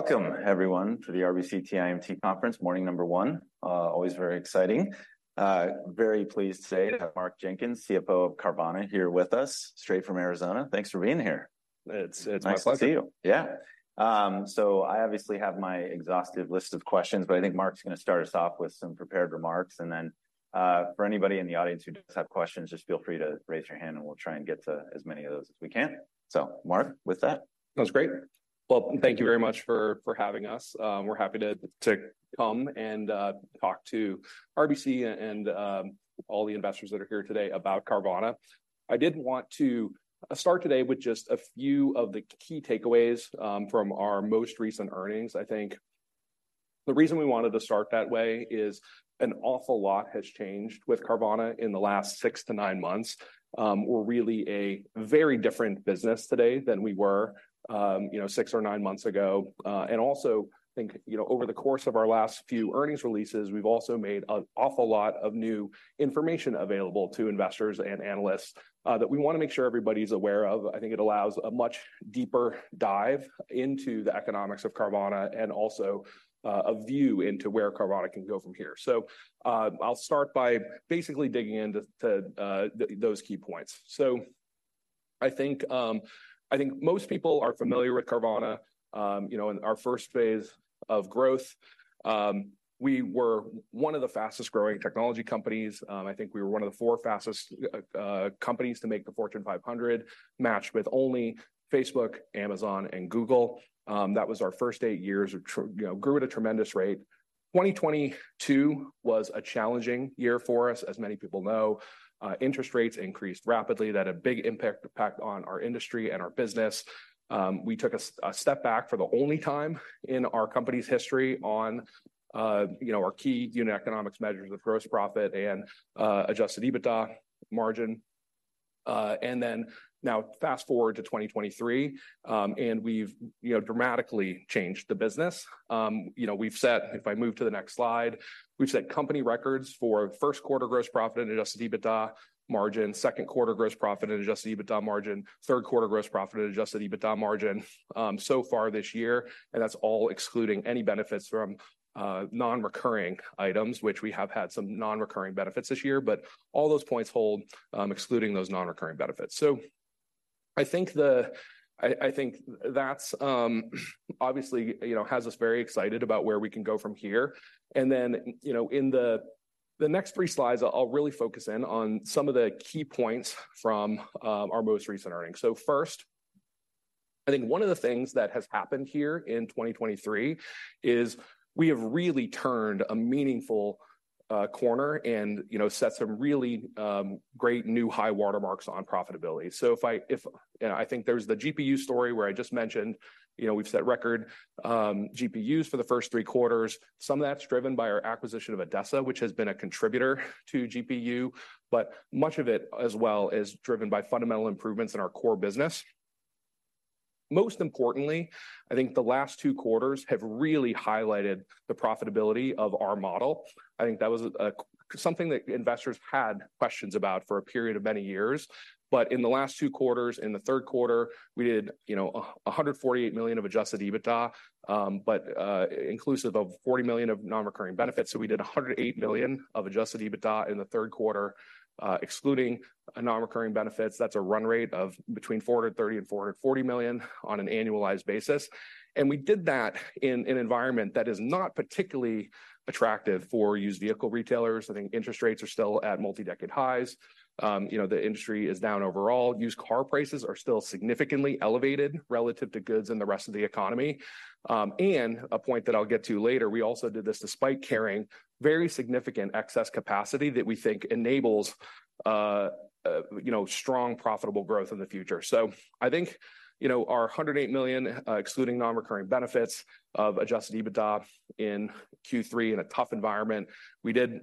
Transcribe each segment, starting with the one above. Welcome, everyone to the RBC TIMT Conference, morning number one. Always very exciting. Very pleased to say to have Mark Jenkins, CFO of Carvana, here with us straight from Arizona. Thanks for being here. It's my pleasure. Nice to see you. Yeah. Obviously have my exhaustive list of questions, but I think Mark's gonna start us off with some prepared remarks. And then, for anybody in the audience who does have questions, just feel free to raise your hand and we'll try and get to as many of those as we can. So Mark, with that. That's great. Well, thank you very much for having us. We're happy to come and talk to RBC and all the investors that are here today about Carvana. I did want to start today with just a few of the key takeaways from our most recent earnings. I think the reason we wanted to start that way is an awful lot has changed with Carvana in the last six to nine months. We're really a very different business today than we were you know six or nine months ago. And also, I think you know over the course of our last few earnings releases, we've also made an awful lot of new information available to investors and analysts that we wanna make sure everybody's aware of. I think it allows a much deeper dive into the economics of Carvana, and also a view into where Carvana can go from here. So I'll start by basically digging into those key points. So I think I think most people are familiar with Carvana. In our first phase of growth, we were one of the fastest-growing technology companies. I think we were one of the 4 fastest companies to make the Fortune 500, matched with only Facebook, Amazon, and Google. That was our first 8 years, which you know grew at a tremendous rate. 2022 was a challenging year for us. As many people know, interest rates increased rapidly. That had a big impact on our industry and our business. We took a step back for the only time in our company's history on our key unit economics measures of gross profit and adjusted EBITDA margin. And then now fast-forward to 2023, and we've, you know, dramatically changed the business. If I move to the next slide, we've set company records for first quarter gross profit and adjusted EBITDA margin, second quarter gross profit and adjusted EBITDA margin, third quarter gross profit and adjusted EBITDA margin, so far this year, and that's all excluding any benefits from non-recurring items, which we have had some non-recurring benefits this year. But all those points hold, excluding those non-recurring benefits. That's, obviously, has us very excited about where we can go from here. Then, you know, in the next 3 slides, I'll really focus in on some of the key points from our most recent earnings. So first, I think one of the things that has happened here in 2023 is we have really turned a meaningful corner and, you know, set some really great new high watermarks on profitability. So, I think there's the GPU story where I just mentioned, you know, we've set record GPUs for the first 3 quarters. Some of that's driven by our acquisition of ADESA, which has been a contributor to GPU, but much of it as well is driven by fundamental improvements in our core business. Most importantly, I think the last 2 quarters have really highlighted the profitability of our model. I think that was something that investors had questions about for a period of many years, but in the last two quarters, in the third quarter, we did, you know, $148 million of adjusted EBITDA, but inclusive of $40 million of non-recurring benefits. So we did $108 million of adjusted EBITDA in the third quarter. Excluding non-recurring benefits, that's a run rate of between $430 million and $440 million on an annualized basis. And we did that in an environment that is not particularly attractive for used vehicle retailers. I think interest rates are still at multi-decade highs. You know, the industry is down overall. Used car prices are still significantly elevated relative to goods in the rest of the economy. And a point that I'll get to later, we also did this despite carrying very significant excess capacity that we think enables, you know, strong, profitable growth in the future. So I think, you know, our $108 million, excluding non-recurring benefits of adjusted EBITDA in Q3 in a tough environment, we did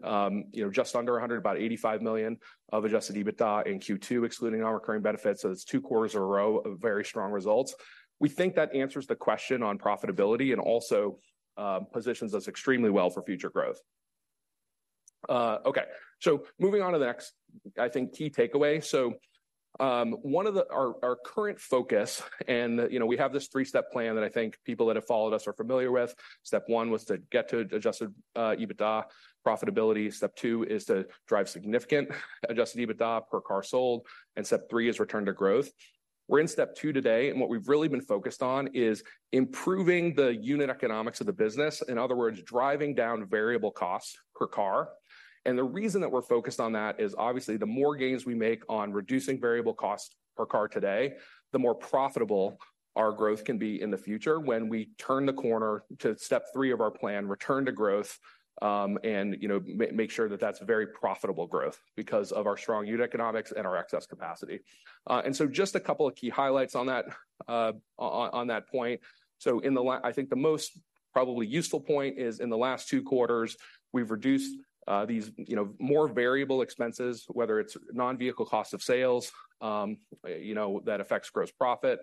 just under 100, about $85 million of adjusted EBITDA in Q2, excluding non-recurring benefits. So that's two quarters in a row of very strong results. We think that answers the question on profitability and also, positions us extremely well for future growth. Okay, so moving on to the next, I think, key takeaway. Our, our current focus, and, you know, we have this three-step plan that I think people that have followed us are familiar with. Step one was to get to adjusted EBITDA profitability. Step two is to drive significant adjusted EBITDA per car sold, and step three is return to growth. We're in step two today, and what we've really been focused on is improving the unit economics of the business, in other words, driving down variable costs per car. And the reason that we're focused on that is obviously, the more gains we make on reducing variable costs per car today, the more profitable our growth can be in the future when we turn the corner to step three of our plan, return to growth, and make sure that that's very profitable growth because of our strong unit economics and our excess capacity. And so just a couple of key highlights on that, on that point. So in the last two quarters, we've reduced these, you know, more variable expenses, whether it's non-vehicle cost of sales, you know, that affects gross profit,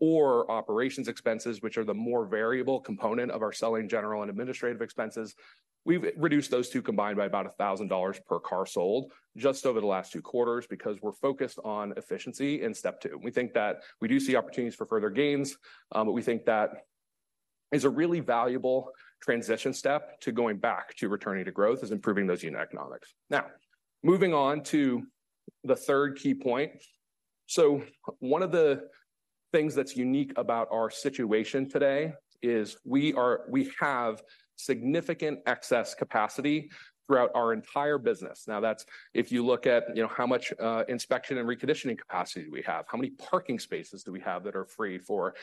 or operations expenses, which are the more variable component of our selling, general, and administrative expenses. We've reduced those two combined by about $1,000 per car sold just over the last two quarters because we're focused on efficiency in step two. We think that we do see opportunities for further gains, but we think that is a really valuable transition step to going back to returning to growth, is improving those unit economics. Now, moving on to the third key point. So one of the things that's unique about our situation today is we are, we have significant excess capacity throughout our entire business. Now, that's if you look at, you know, how much inspection and reconditioning capacity do we have? How many parking spaces do we have that are free for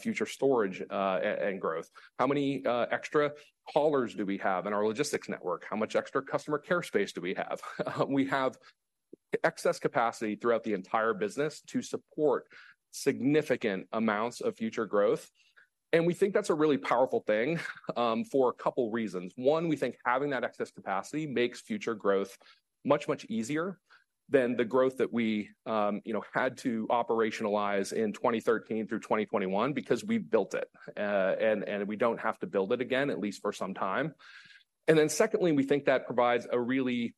future storage and growth? How many extra haulers do we have in our logistics network? How much extra customer care space do we have? We have excess capacity throughout the entire business to support significant amounts of future growth, and we think that's a really powerful thing for a couple reasons. One, we think having that excess capacity makes future growth much, much easier than the growth that we, you know, had to operationalize in 2013 through 2021 because we built it, and we don't have to build it again, at least for some time. And then secondly, we think that provides a really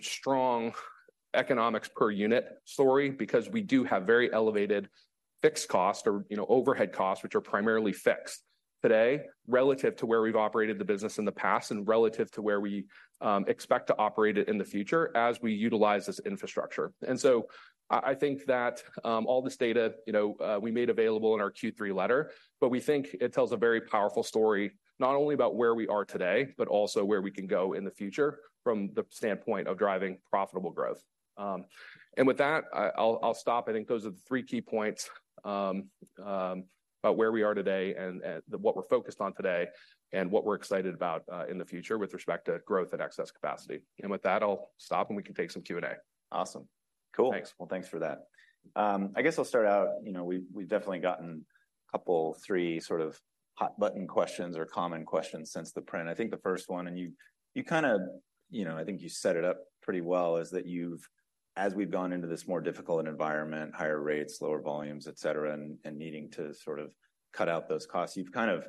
strong economics per unit story, because we do have very elevated fixed costs or, you know, overhead costs, which are primarily fixed today, relative to where we've operated the business in the past and relative to where we expect to operate it in the future as we utilize this infrastructure. And so I, I think that all this data, you know, we made available in our Q3 letter, but we think it tells a very powerful story, not only about where we are today, but also where we can go in the future from the standpoint of driving profitable growth. And with that, I, I'll, I'll stop. I think those are the three key points about where we are today and what we're focused on today, and what we're excited about in the future with respect to growth and excess capacity. With that, I'll stop, and we can take some Q&A. Awesome. Cool. Thanks. Well, thanks for that. I guess I'll start out, you know, we've, we've definitely gotten a couple, three sort of hot-button questions or common questions since the print. I think the first one, and you, you kind of, you know, I think you set it up pretty well, is that you've, as we've gone into this more difficult environment, higher rates, lower volumes, et cetera, and, and needing to sort of cut out those costs, you've kind of,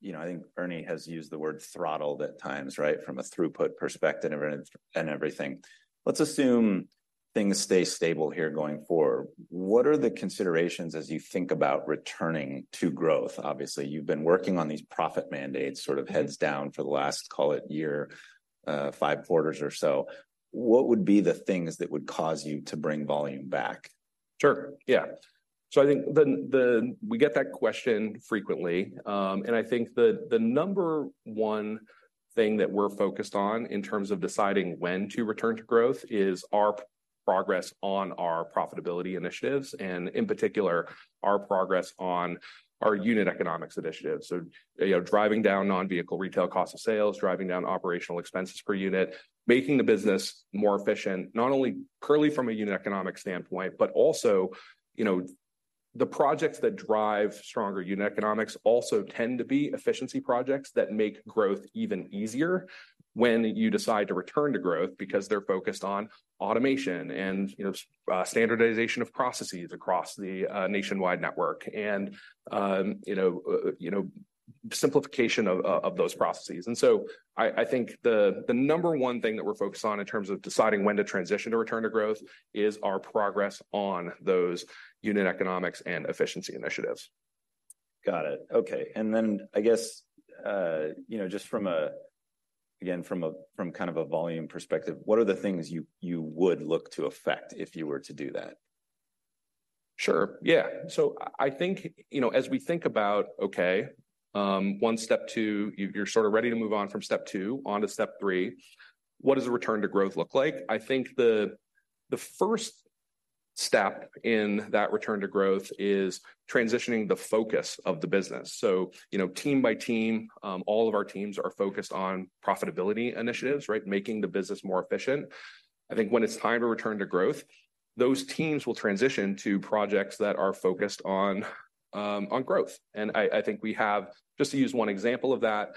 you know, I think Ernie has used the word throttled at times, right? From a throughput perspective and, and everything. Let's assume things stay stable here going forward. What are the considerations as you think about returning to growth? Obviously, you've been working on these profit mandates sort of heads down for the last, call it year, five quarters or so. What would be the things that would cause you to bring volume back? I think we get that question frequently. And I think the number one thing that we're focused on in terms of deciding when to return to growth is our progress on our profitability initiatives and, in particular, our progress on our unit economics initiatives. Driving down non-vehicle retail cost of sales, driving down operational expenses per unit, making the business more efficient, not only purely from a unit economic standpoint, but also the projects that drive stronger unit economics also tend to be efficiency projects that make growth even easier when you decide to return to growth, because they're focused on automation and standardization of processes across the nationwide network and simplification of those processes. I think the number one thing that we're focused on in terms of deciding when to transition to return to growth is our progress on those unit economics and efficiency initiatives. Got it. Okay. And then I guess just from a volume perspective, what are the things you would look to affect if you were to do that? As we think about, okay, one step two, you're sort of ready to move on from step two onto step three, what does a return to growth look like? I think the first step in that return to growth is transitioning the focus of the business. Team by team, all of our teams are focused on profitability initiatives, right? Making the business more efficient. I think when it's time to return to growth, those teams will transition to projects that are focused on growth. Just to use one example of that,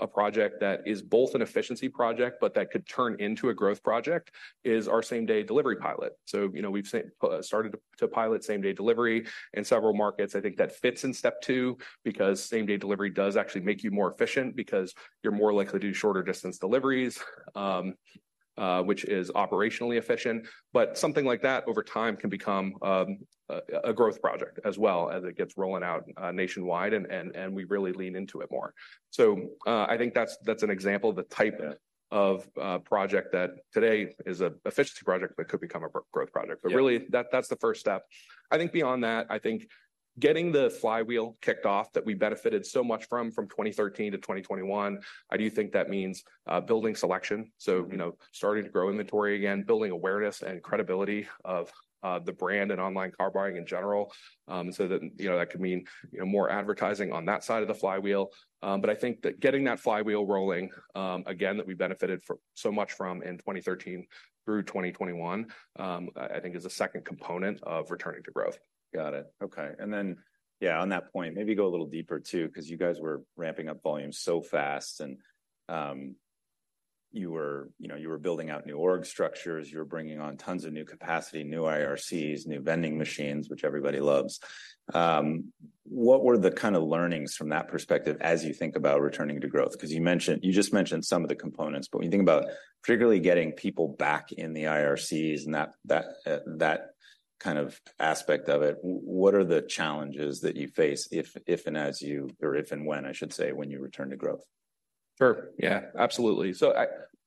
a project that is both an efficiency project but that could turn into a growth project, is our same-day delivery pilot. We've started to pilot same-day delivery in several markets. I think that fits in step two, because same-day delivery does actually make you more efficient because you're more likely to do shorter distance deliveries, which is operationally efficient. But something like that, over time, can become a growth project as well as it gets rolling out, nationwide, and we really lean into it more. So, I think that's an example of the type of a project that today is an efficiency project, but could become a growth project. But really, that, that's the first step. I think beyond that, I think getting the flywheel kicked off that we benefited so much from, from 2013 to 2021, I do think that means building selection. Starting to grow inventory again, building awareness and credibility of the brand and online car buying in general. So that, you know, that could mean more advertising on that side of the flywheel. But I think that getting that flywheel rolling again, that we benefited so much from in 2013 through 2021, I think is a second component of returning to growth. Got it. Okay. And then, on that point, maybe go a little deeper, too, because you guys were ramping up volume so fast and, you were building out new org structures, you were bringing on tons of new capacity, new IRCs, new vending machines, which everybody loves. What were the kind of learnings from that perspective as you think about returning to growth? Because you mentioned, you just mentioned some of the components, but when you think about particularly getting people back in the IRCs and that kind of aspect of it, what are the challenges that you face if and when, I should say, when you return to growth? Sure. Absolutely. So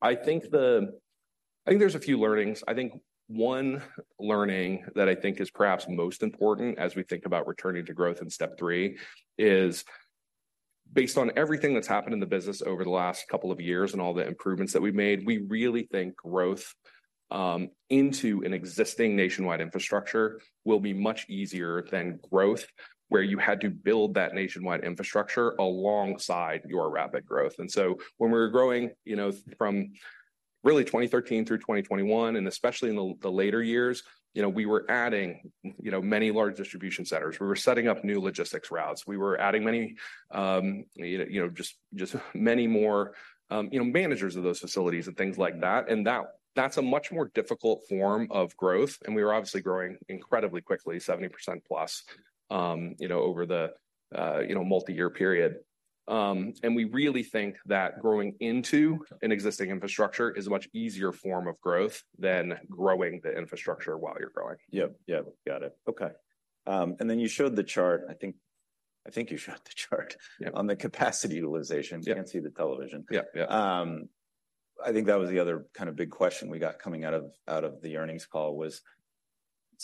I think there's a few learnings. I think one learning that I think is perhaps most important as we think about returning to growth in step three, is based on everything that's happened in the business over the last couple of years and all the improvements that we've made, we really think growth into an existing nationwide infrastructure will be much easier than growth, where you had to build that nationwide infrastructure alongside your rapid growth. And so when we were growing from really 2013 through 2021, and especially in the later years, you know, we were adding many large distribution centers. We were setting up new logistics routes. We were adding many more managers of those facilities and things like that, and that's a much more difficult form of growth, and we were obviously growing incredibly quickly, 70%+ over the multi-year period. And we really think that growing into an existing infrastructure is a much easier form of growth than growing the infrastructure while you're growing. Got it. Okay. And then you showed the chart, I think on the capacity utilization. We can't see the television. I think that was the other kind of big question we got coming out of the earnings call was,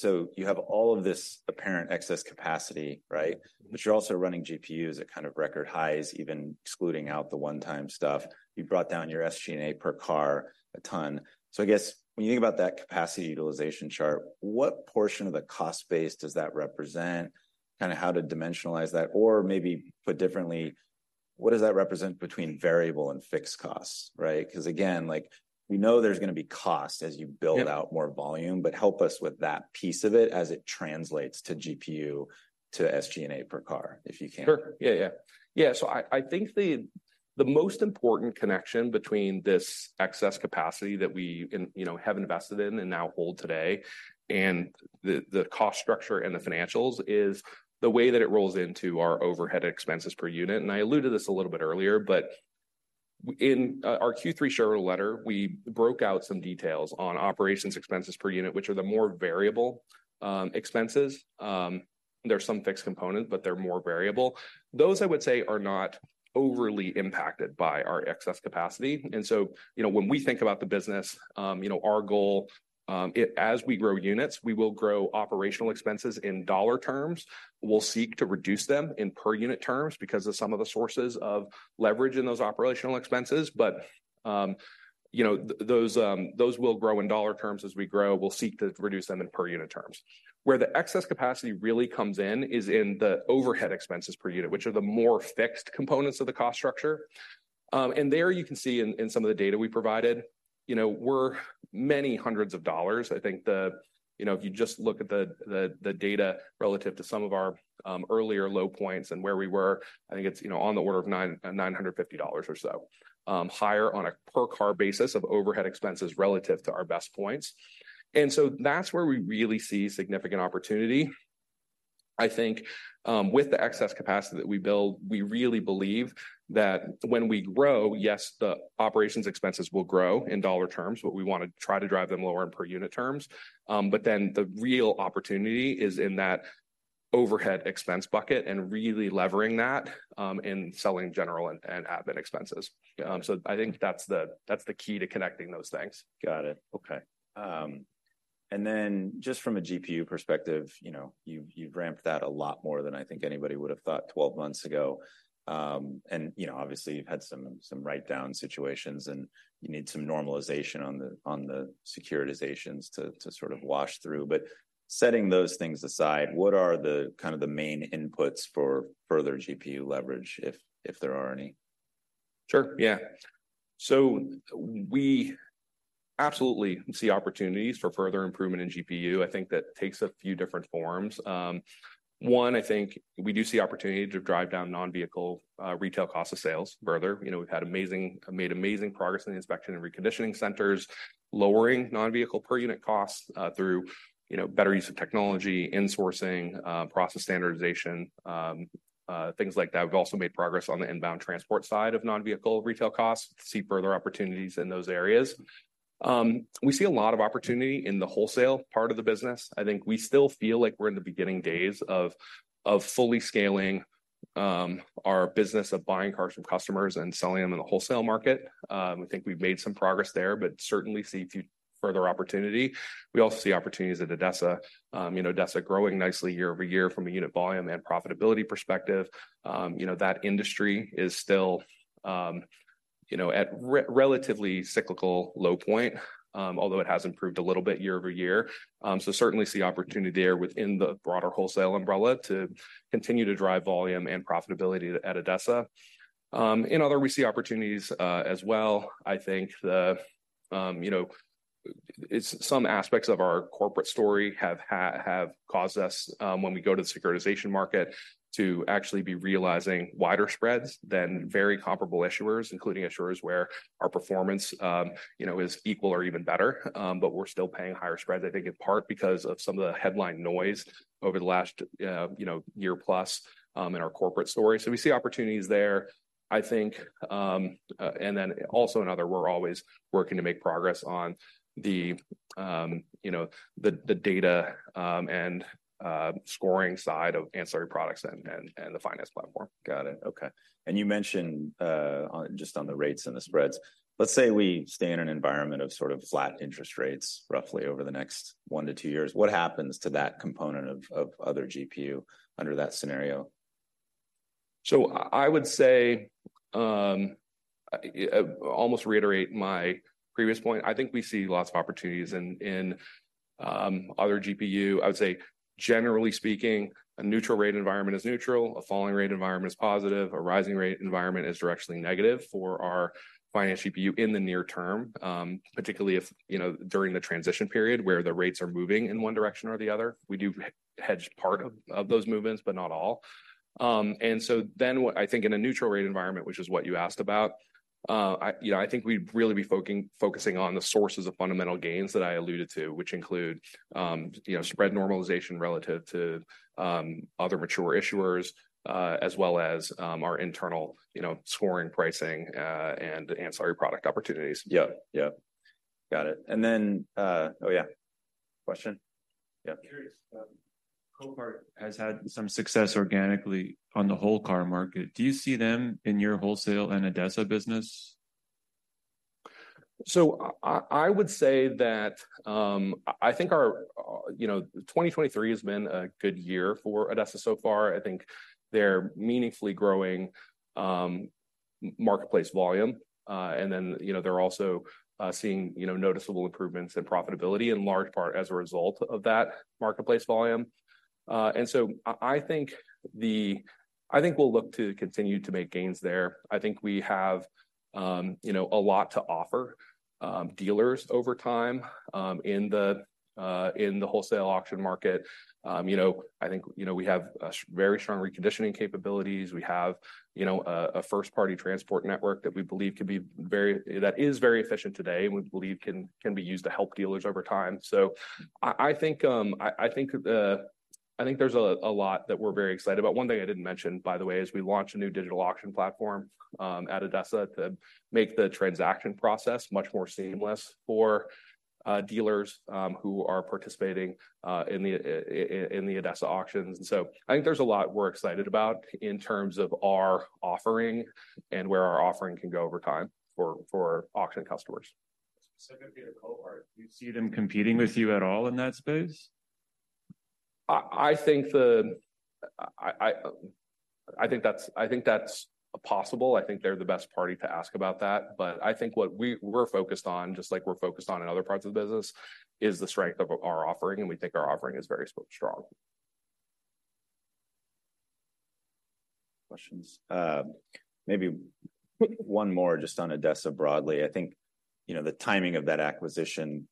you have all of this apparent excess capacity, right? But you're also running GPU at kind of record highs, even excluding out the one-time stuff. You brought down your SG&A per car a ton. So I guess when you think about that capacity utilization chart, what portion of the cost base does that represent? How to dimensionalize that, or maybe put differently, what does that represent between variable and fixed costs, right? Because, again, like, we know there's going to be cost as you build out more volume, but help us with that piece of it as it translates to GPU, to SG&A per car, if you can. I think the most important connection between this excess capacity that we, you know, have invested in and now hold today, and the cost structure and the financials, is the way that it rolls into our overhead expenses per unit. And I alluded to this a little bit earlier, but in our Q3 shareholder letter, we broke out some details on operations expenses per unit, which are the more variable expenses. There are some fixed components, but they're more variable. Those, I would say, are not overly impacted by our excess capacity. And so, you know, when we think about the business our goal, as we grow units, we will grow operational expenses in dollar terms. We'll seek to reduce them in per-unit terms because of some of the sources of leverage in those operational expenses. But, you know, those will grow in dollar terms as we grow. We'll seek to reduce them in per unit terms. Where the excess capacity really comes in is in the overhead expenses per unit, which are the more fixed components of the cost structure. And there you can see in some of the data we provided, you know, we're many hundreds of dollars. I think, if you just look at the data relative to some of our earlier low points and where we were, I think it's, you know, on the order of $950 or so higher on a per car basis of overhead expenses relative to our best points. That's where we really see significant opportunity. I think, with the excess capacity that we build, we really believe that when we grow, yes, the operations expenses will grow in dollar terms, but we want to try to drive them lower in per unit terms. Then the real opportunity is in that overhead expense bucket and really levering that, in selling, general, and administrative expenses. I think that's the key to connecting those things. Okay. And then just from a GPU perspective, you know, you've, you've ramped that a lot more than I think anybody would have thought 12 months ago. And, you know, obviously, you've had some, some write-down situations, and you need some normalization on the, on the securitizations to, to sort of wash through. But setting those things aside, what are the kind of the main inputs for further GPU leverage, if there are any? Sure, yeah. So we absolutely see opportunities for further improvement in GPU. I think that takes a few different forms. One, I think we do see opportunity to drive down non-vehicle retail cost of sales further. You know, we've made amazing progress in the inspection and reconditioning centers, lowering non-vehicle per unit costs through, you know, better use of technology, insourcing, process standardization, things like that. We've also made progress on the inbound transport side of non-vehicle retail costs, see further opportunities in those areas. We see a lot of opportunity in the wholesale part of the business. I think we still feel like we're in the beginning days of fully scaling our business of buying cars from customers and selling them in the wholesale market. We think we've made some progress there, but certainly see few further opportunity. We also see opportunities at ADESA. You know, ADESA growing nicely year over year from a unit volume and profitability perspective. You know, that industry is still, you know, at relatively cyclical low point, although it has improved a little bit year over year. So certainly see opportunity there within the broader wholesale umbrella to continue to drive volume and profitability at ADESA. In other, we see opportunities as well. I think the, you know, it's some aspects of our corporate story have have caused us, when we go to the securitization market, to actually be realizing wider spreads than very comparable issuers, including issuers where our performance, you know, is equal or even better. But we're still paying higher spreads in part because of some of the headline noise over the last year plus, in our corporate story. So we see opportunities there, I think. And then also in other, we're always working to make progress on the, you know, the data and scoring side of ancillary products and the finance platform. Got it. Okay. And you mentioned, just on the rates and the spreads, let's say we stay in an environment of sort of flat interest rates, roughly over the next 1-2 years. What happens to that component of other GPU under that scenario? So I would say, almost reiterate my previous point. I think we see lots of opportunities in other GPU. I would say, generally speaking, a neutral rate environment is neutral, a falling rate environment is positive, a rising rate environment is directionally negative for our finance GPU in the near term. Particularly if, you know, during the transition period where the rates are moving in one direction or the other, we do hedge part of those movements, but not all. And so then what I think in a neutral rate environment, which is what you asked about, you know, I think we'd really be focusing on the sources of fundamental gains that I alluded to, which include, you know, spread normalization relative to other mature issuers, as well as our internal, you know, scoring, pricing, and ancillary product opportunities. Yeah. Yeah, got it. And then, oh, yeah. Question? Yeah. I'm curious, Copart has had some success organically on the whole car market. Do you see them in your wholesale and ADESA business? So I would say that, I think our, you know, 2023 has been a good year for ADESA so far. I think they're meaningfully growing marketplace volume. And then, you know, they're also seeing, you know, noticeable improvements in profitability, in large part as a result of that marketplace volume. And so I think we'll look to continue to make gains there. I think we have, you know, a lot to offer dealers over time, in the wholesale auction market. You know, I think, you know, we have very strong reconditioning capabilities. We have, you know, a first-party transport network that we believe can be very efficient today and we believe can be used to help dealers over time. So I think there's a lot that we're very excited about. One thing I didn't mention, by the way, is we launched a new digital auction platform at ADESA to make the transaction process much more seamless for dealers who are participating in the ADESA auctions. And so I think there's a lot we're excited about in terms of our offering and where our offering can go over time for auction customers. Specifically to Copart, do you see them competing with you at all in that space? I think that's possible. I think they're the best party to ask about that. But I think what we're focused on, just like we're focused on in other parts of the business, is the strength of our offering, and we think our offering is very strong. Questions? Maybe one more just on ADESA broadly. I think, you know, the timing of that acquisition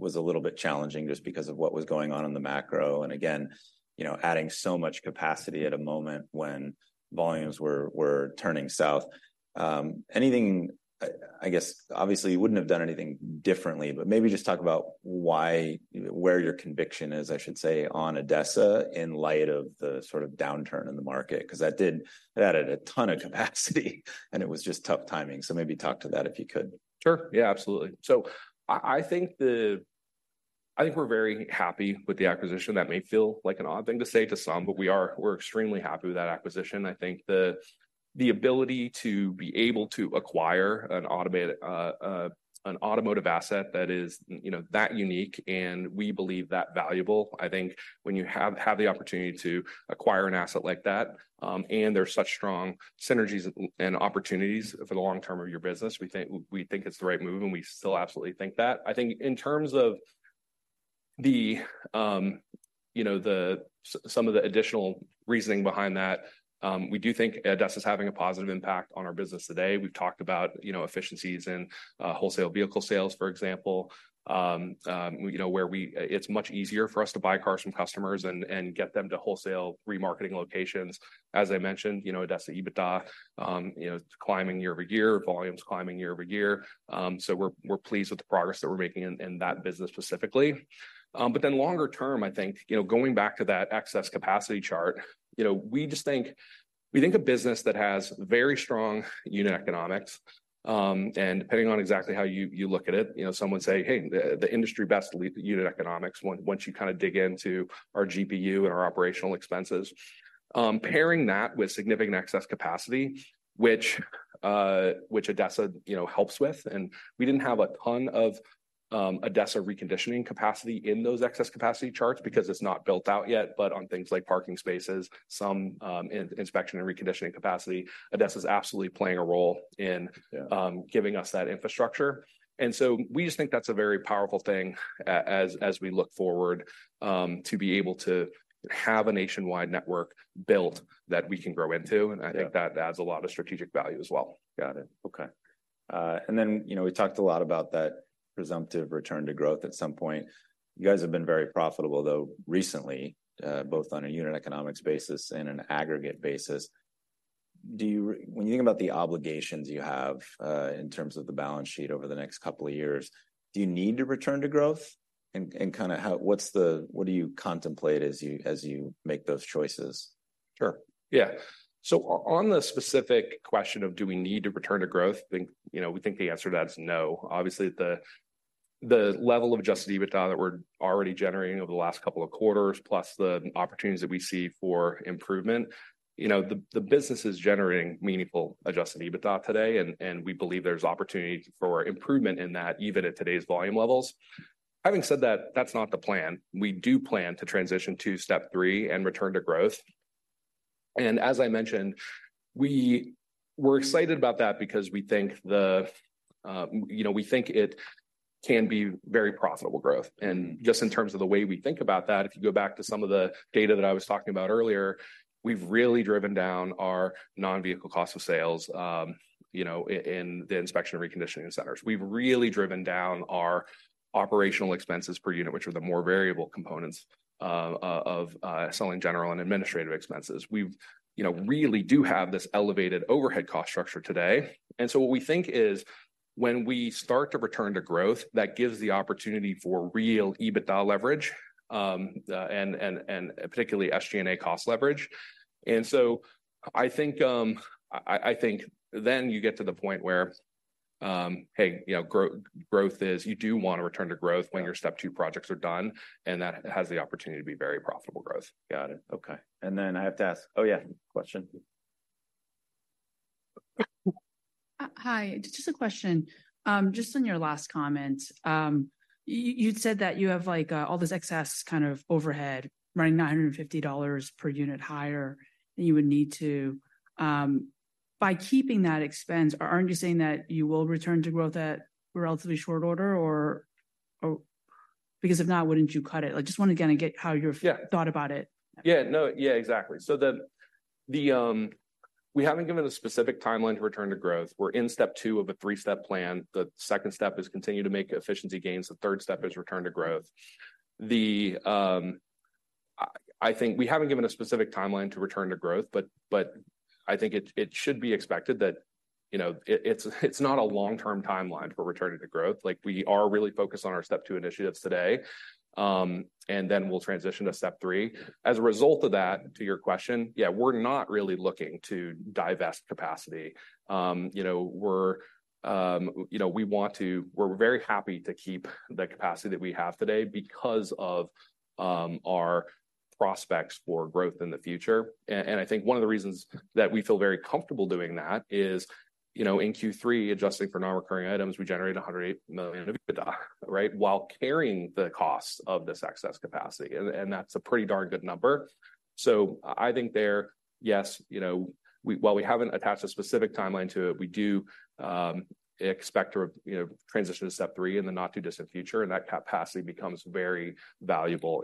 was a little bit challenging just because of what was going on in the macro. And again, you know, adding so much capacity at a moment when volumes were turning south. I guess, obviously, you wouldn't have done anything differently, but maybe just talk about why, where your conviction is, I should say, on ADESA, in light of the sort of downturn in the market, 'cause that did. It added a ton of capacity, and it was just tough timing. So maybe talk to that, if you could. Sure. Absolutely. I think we're very happy with the acquisition. That may feel like an odd thing to say to some, but we are. We're extremely happy with that acquisition. I think the ability to be able to acquire an automated automotive asset that is, you know, that unique, and we believe that valuable. I think when you have the opportunity to acquire an asset like that, and there's such strong synergies and opportunities for the long term of your business, we think it's the right move, and we still absolutely think that. I think in terms of the some of the additional reasoning behind that, we do think ADESA's having a positive impact on our business today. We've talked about efficiencies in wholesale vehicle sales, for example. It's much easier for us to buy cars from customers and get them to wholesale remarketing locations. As I mentioned, ADESA EBITDA climbing year-over-year, volumes climbing year-over-year. So we're pleased with the progress that we're making in that business specifically. But then longer term, going back to that excess capacity chart we just think we think a business that has very strong unit economics, and depending on exactly how you look at it some would say, "Hey, the industry best unit economics," once you kind of dig into our GPU and our operational expenses. Pairing that with significant excess capacity, which ADESA, helps with, and we didn't have a ton of, ADESA reconditioning capacity in those excess capacity charts because it's not built out yet. But on things like parking spaces, some inspection and reconditioning capacity, ADESA is absolutely playing a role in giving us that infrastructure. And so we just think that's a very powerful thing, as we look forward to be able to have a nationwide network built that we can grow into. I think that adds a lot of strategic value as well. Got it. Okay. And then we talked a lot about that presumptive return to growth at some point. You guys have been very profitable, though, recently, both on a unit economics basis and an aggregate basis. Do you, when you think about the obligations you have, in terms of the balance sheet over the next couple of years, do you need to return to growth? What do you contemplate as you, as you make those choices? On the specific question of: do we need to return to growth? We think the answer to that is no. Obviously, the level of adjusted EBITDA that we're already generating over the last couple of quarters, plus the opportunities that we see for improvement the business is generating meaningful adjusted EBITDA today, and we believe there's opportunity for improvement in that, even at today's volume levels. Having said that, that's not the plan. We do plan to transition to step three and return to growth. And as I mentioned, we're excited about that because we think we think it can be very profitable growth. Just in terms of the way we think about that, if you go back to some of the data that I was talking about earlier, we've really driven down our non-vehicle cost of sales, you know, in the inspection and reconditioning centers. We've really driven down our operational expenses per unit, which are the more variable components of selling general and administrative expenses. We've, you know, really do have this elevated overhead cost structure today. And so what we think is, when we start to return to growth, that gives the opportunity for real EBITDA leverage, and particularly SG&A cost leverage. And so I think, I think then you get to the point where, hey, you know, You do want to return to growth when your step two projects are done, and that has the opportunity to be very profitable growth. Got it. Okay. And then I have to ask. Hi, just a question. Just on your last comment, you, you'd said that you have, like, all this excess kind of overhead, running $950 per unit higher than you would need to. By keeping that expense, aren't you saying that you will return to growth at relatively short order, because if not, wouldn't you cut it? I just want to, again, get how you've thought about it. We haven't given a specific timeline to return to growth. We're in step two of a three-step plan. The second step is continue to make efficiency gains. The third step is return to growth. I think we haven't given a specific timeline to return to growth, but I think it should be expected that, you know, it's not a long-term timeline for returning to growth. Like, we are really focused on our step two initiatives today, and then we'll transition to step three. As a result of that, to your question, yeah, we're not really looking to divest capacity. We're very happy to keep the capacity that we have today because of our prospects for growth in the future. I think one of the reasons that we feel very comfortable doing that is in Q3, adjusting for non-recurring items, we generated $108 million of EBITDA, right? While carrying the cost of this excess capacity, and that's a pretty darn good number. So I think there, yes, while we haven't attached a specific timeline to it, we do expect to, you know, transition to step three in the not-too-distant future, and that capacity becomes very valuable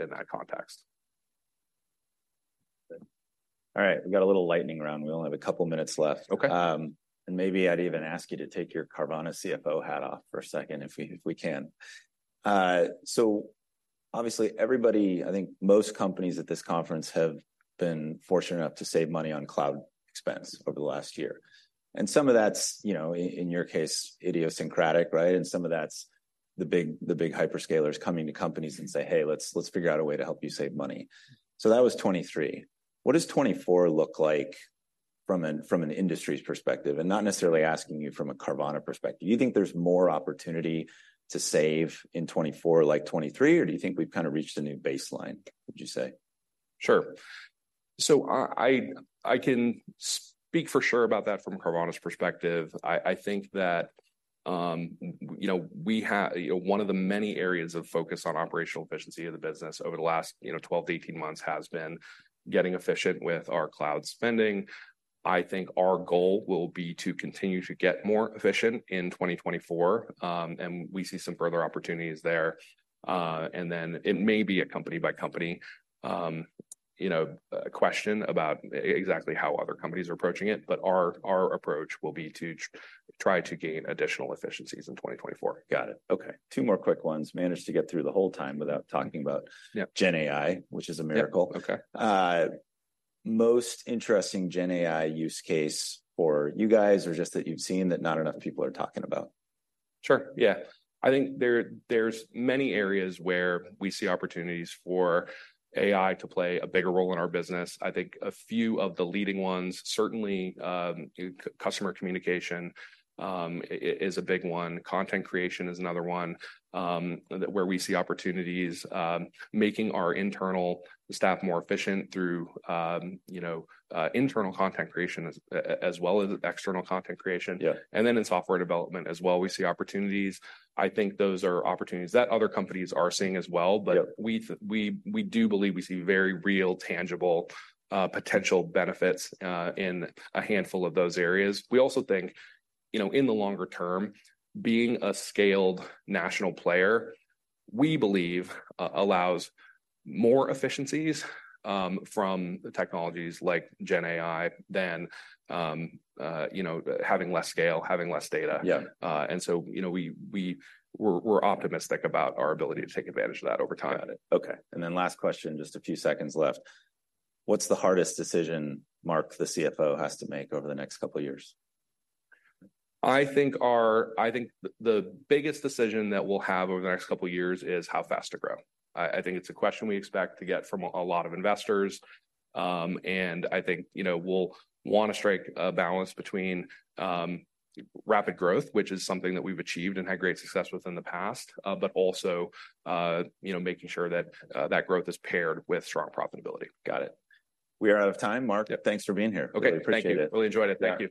in that context. Good. All right, we've got a little lightning round. We only have a couple minutes left. And maybe I'd even ask you to take your Carvana CFO hat off for a second, if we, if we can. So obviously everybody, I think most companies at this conference have been fortunate enough to save money on cloud expense over the last year, and some of that's, you know, in your case, idiosyncratic, right? And some of that's the big hyperscalers coming to companies and say, "Hey, let's, let's figure out a way to help you save money." So that was 2023. What does 2024 look like from an, from an industry's perspective? And not necessarily asking you from a Carvana perspective. Do you think there's more opportunity to save in 2024, like 2023, or do you think we've kind of reached a new baseline, would you say? Sure. So I can speak for sure about that from Carvana's perspective. I think that, you know, we had. You know, one of the many areas of focus on operational efficiency of the business over the last, you know, 12-18 months, has been getting efficient with our cloud spending. I think our goal will be to continue to get more efficient in 2024, and we see some further opportunities there. And then it may be a company-by-company, you know, a question about exactly how other companies are approaching it, but our approach will be to try to gain additional efficiencies in 2024. Got it. Okay, two more quick ones. Managed to get through the whole time without talking about Gen AI, which is a miracle. Most interesting Gen AI use case for you guys, or just that you've seen, that not enough people are talking about? Sure, yeah. I think there's many areas where we see opportunities for AI to play a bigger role in our business. I think a few of the leading ones, certainly, customer communication is a big one. Content creation is another one, where we see opportunities. Making our internal staff more efficient through, you know, internal content creation as well as external content creation. Then in software development as well, we see opportunities. I think those are opportunities that other companies are seeing as well, but we, we do believe we see very real, tangible, potential benefits, in a handful of those areas. We also think, you know, in the longer term, being a scaled national player, we believe, allows more efficiencies, from technologies like Gen AI than, you know, having less scale, having less data. And so, you know, we're optimistic about our ability to take advantage of that over time. Got it. Okay, and then last question, just a few seconds left: What's the hardest decision Mark, the CFO, has to make over the next couple of years? I think the biggest decision that we'll have over the next couple of years is how fast to grow. I think it's a question we expect to get from a lot of investors, and I think, you know, we'll want to strike a balance between rapid growth, which is something that we've achieved and had great success with in the past, but also, you know, making sure that that growth is paired with strong profitability. Got it. We are out of time, Mark. Thanks for being here. Really appreciate it. Thank you.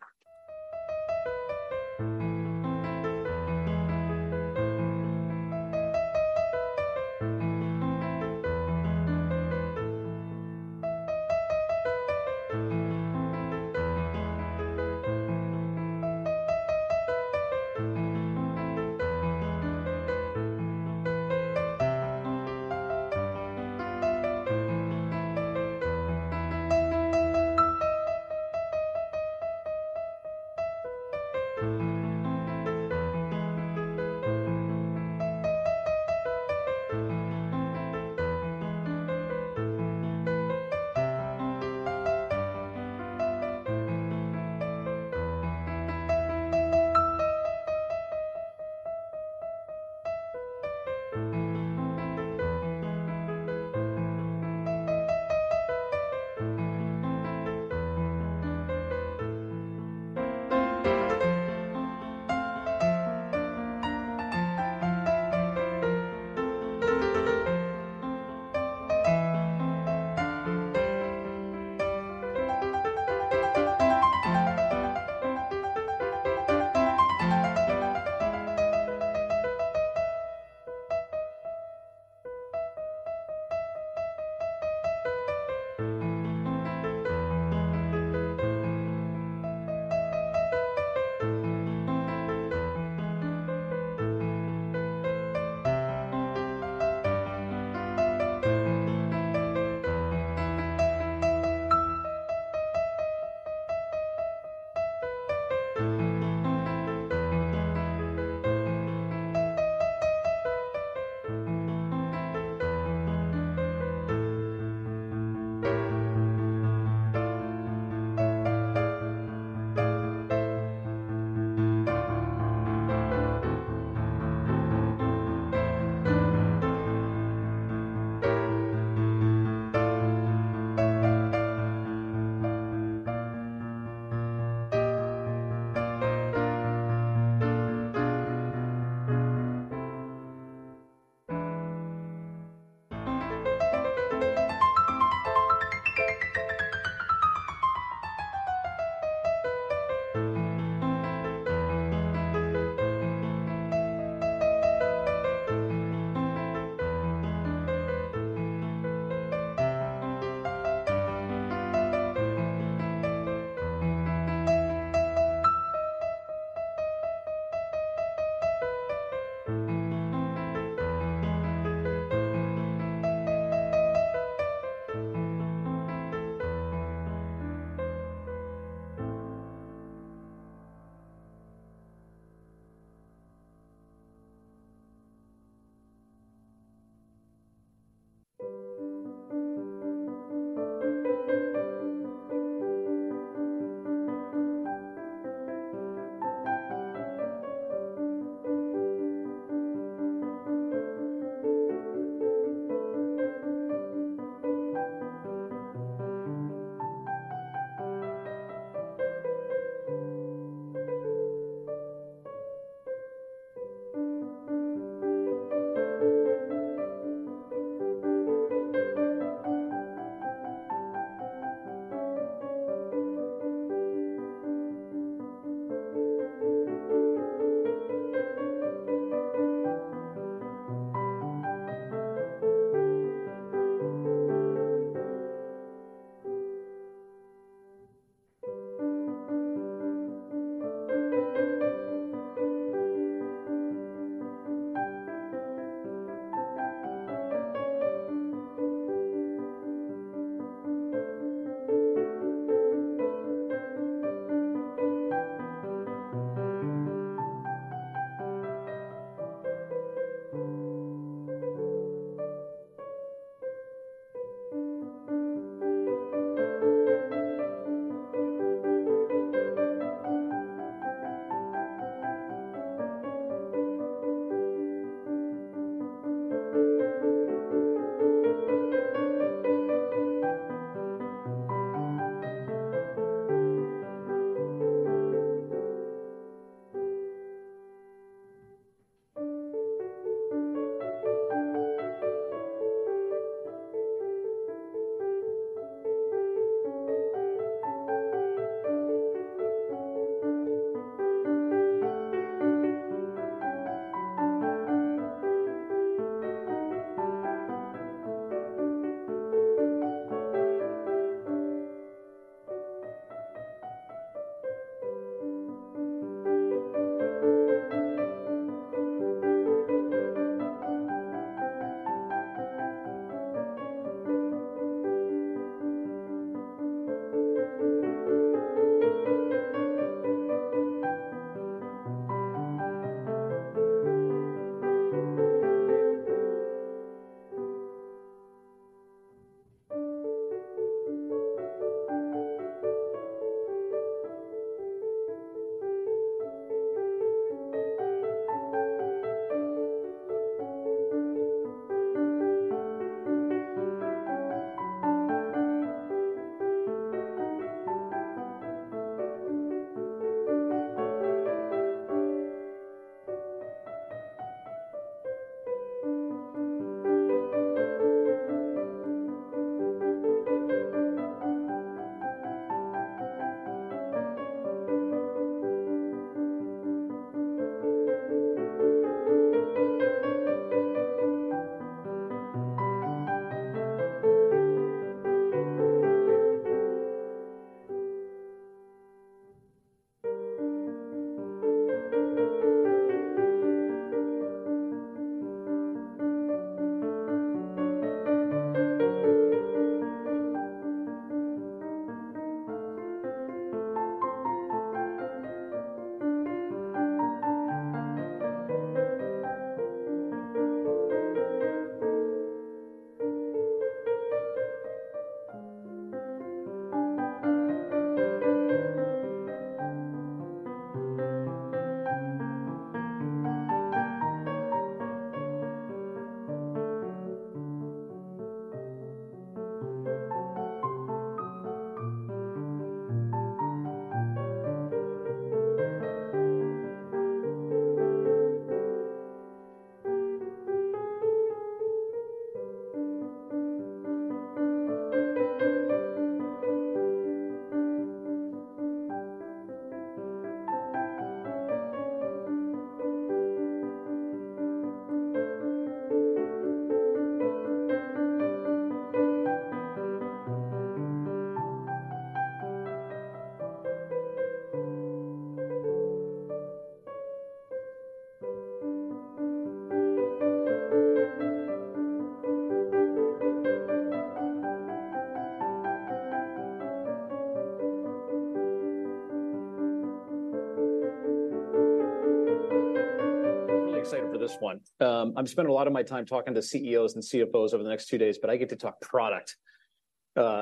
Really enjoyed it. I'm really excited for this one. I'm spending a lot of my time talking to CEOs and CFOs over the next two days, but I get to talk product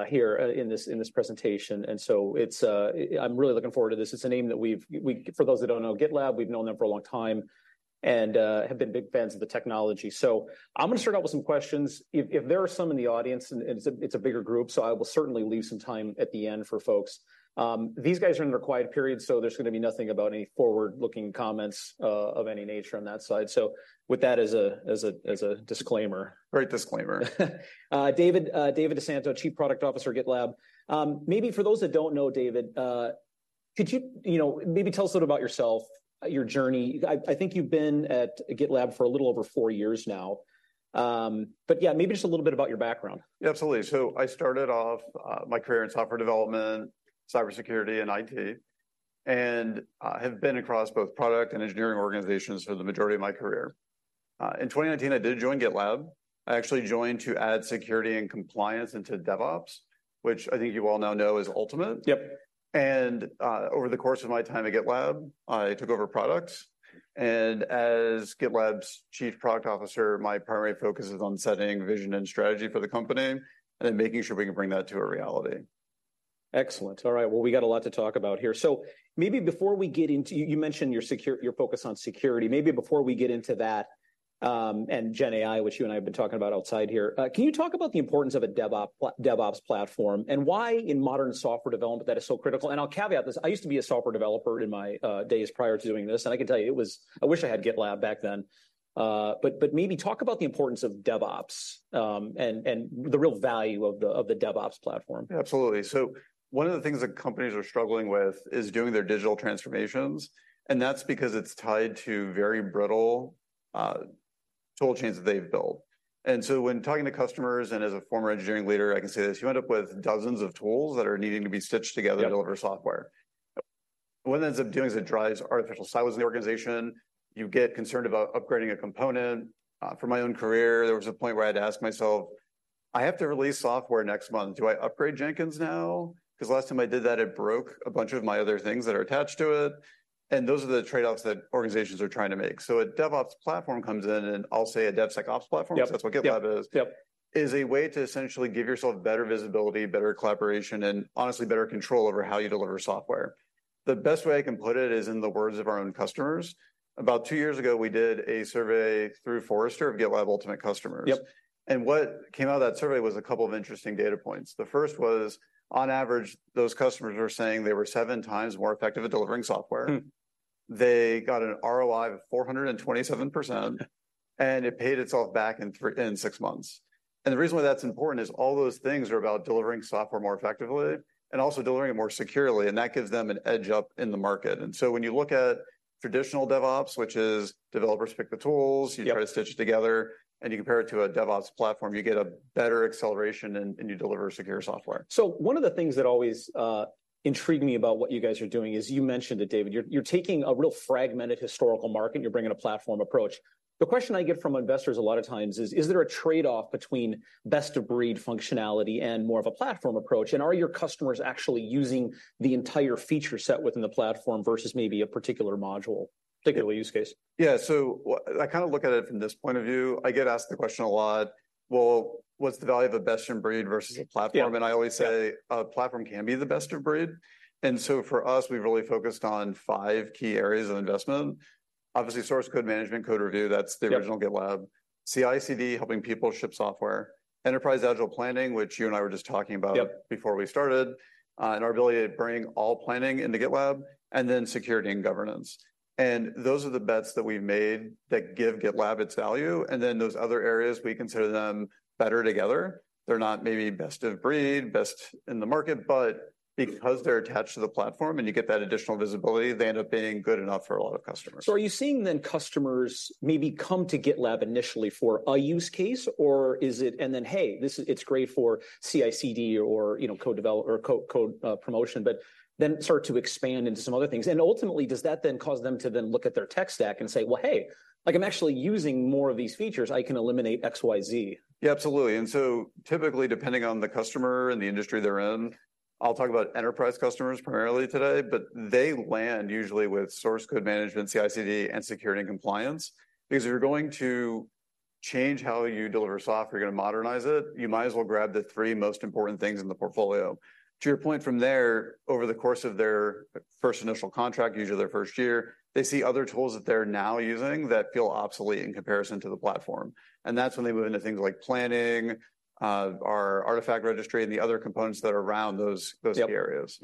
here in this presentation, and so it's, I'm really looking forward to this. It's a name that we've. For those that don't know GitLab, we've known them for a long time and have been big fans of the technology. So I'm gonna start out with some questions. If there are some in the audience, and it's a bigger group, so I will certainly leave some time at the end for folks. These guys are under a quiet period, so there's gonna be nothing about any forward-looking comments of any nature on that side. So with that as a disclaimer, David, David DeSanto, Chief Product Officer at GitLab. Maybe for those that don't know David, could you, you know, maybe tell us a little about yourself, your journey? I think you've been at GitLab for a little over four years now. But yeah, maybe just a little bit about your background. Yeah, absolutely. So I started off my career in software development, cybersecurity, and IT, and I have been across both product and engineering organizations for the majority of my career. In 2019, I did join GitLab. I actually joined to add security and compliance into DevOps, which I think you all now know is Ultimate. Over the course of my time at GitLab, I took over products, and as GitLab's Chief Product Officer, my primary focus is on setting vision and strategy for the company, and then making sure we can bring that to a reality. Excellent. All right, well, we got a lot to talk about here. ou mentioned your security, your focus on security. Maybe before we get into that, and GenAI, which you and I have been talking about outside here, can you talk about the importance of a DevOps platform, and why in modern software development that is so critical? And I'll caveat this. I used to be a software developer in my days prior to doing this, and I can tell you, I wish I had GitLab back then. But maybe talk about the importance of DevOps, and the real value of the DevOps platform. Absolutely. So one of the things that companies are struggling with is doing their digital transformations, and that's because it's tied to very brittle, tool chains that they've built. And so when talking to customers, and as a former engineering leader, I can say this, you end up with dozens of tools that are needing to be stitched together to deliver software. What that ends up doing is it drives artificial silos in the organization. You get concerned about upgrading a component. From my own career, there was a point where I had to ask myself: "I have to release software next month. Do I upgrade Jenkins now? 'Cause last time I did that, it broke a bunch of my other things that are attached to it." And those are the trade-offs that organizations are trying to make. So a DevOps platform comes in, and I'll say a DevSecOps platform 'cause that's what GitLab is a way to essentially give yourself better visibility, better collaboration, and honestly, better control over how you deliver software. The best way I can put it is in the words of our own customers. About two years ago, we did a survey through Forrester of GitLab Ultimate customers. What came out of that survey was a couple of interesting data points. The first was, on average, those customers were saying they were 7x more effective at delivering software. They got an ROI of 427%, and it paid itself back in six months. And the reason why that's important is all those things are about delivering software more effectively and also delivering it more securely, and that gives them an edge up in the market. And so when you look at traditional DevOps, which is developers pick the tools you try to stitch it together, and you compare it to a DevOps platform, you get a better acceleration, and, and you deliver secure software. So one of the things that always intrigued me about what you guys are doing is, you mentioned it, David, you're taking a real fragmented historical market, and you're bringing a platform approach. The question I get from investors a lot of times is: "Is there a trade-off between best of breed functionality and more of a platform approach, and are your customers actually using the entire feature set within the platform versus maybe a particular module, particular use case? Look at it from this point of view. I get asked the question a lot, "Well, what's the value of a best in breed versus a platform? And I always say "A platform can be the best of breed." And so for us, we've really focused on five key areas of investment, obviously, source code management, code review, that's the original GitLab. CI/CD, helping people ship software. Enterprise agile planning, which you and I were just talking about. Before we started, and our ability to bring all planning into GitLab, and then security and governance. Those are the bets that we've made that give GitLab its value, and then those other areas, we consider them better together. They're not maybe best of breed, best in the market, but because they're attached to the platform and you get that additional visibility, they end up being good enough for a lot of customers. So are you seeing then customers maybe come to GitLab initially for a use case, or is it, "And then, it's great for CI/CD or code development or code promotion," but then start to expand into some other things? And ultimately, does that then cause them to then look at their tech stack and say, "Well, I'm actually using more of these features. I can eliminate XYZ? Absolutely. And so typically, depending on the customer and the industry they're in, I'll talk about enterprise customers primarily today, but they land usually with source code management, CI/CD, and security and compliance. Because if you're going to change how you deliver software, you're gonna modernize it, you might as well grab the three most important things in the portfolio. To your point from there, over the course of their first initial contract, usually their first year, they see other tools that they're now using that feel obsolete in comparison to the platform, and that's when they move into things like planning, our artifact registry, and the other components that are around those, those key areas.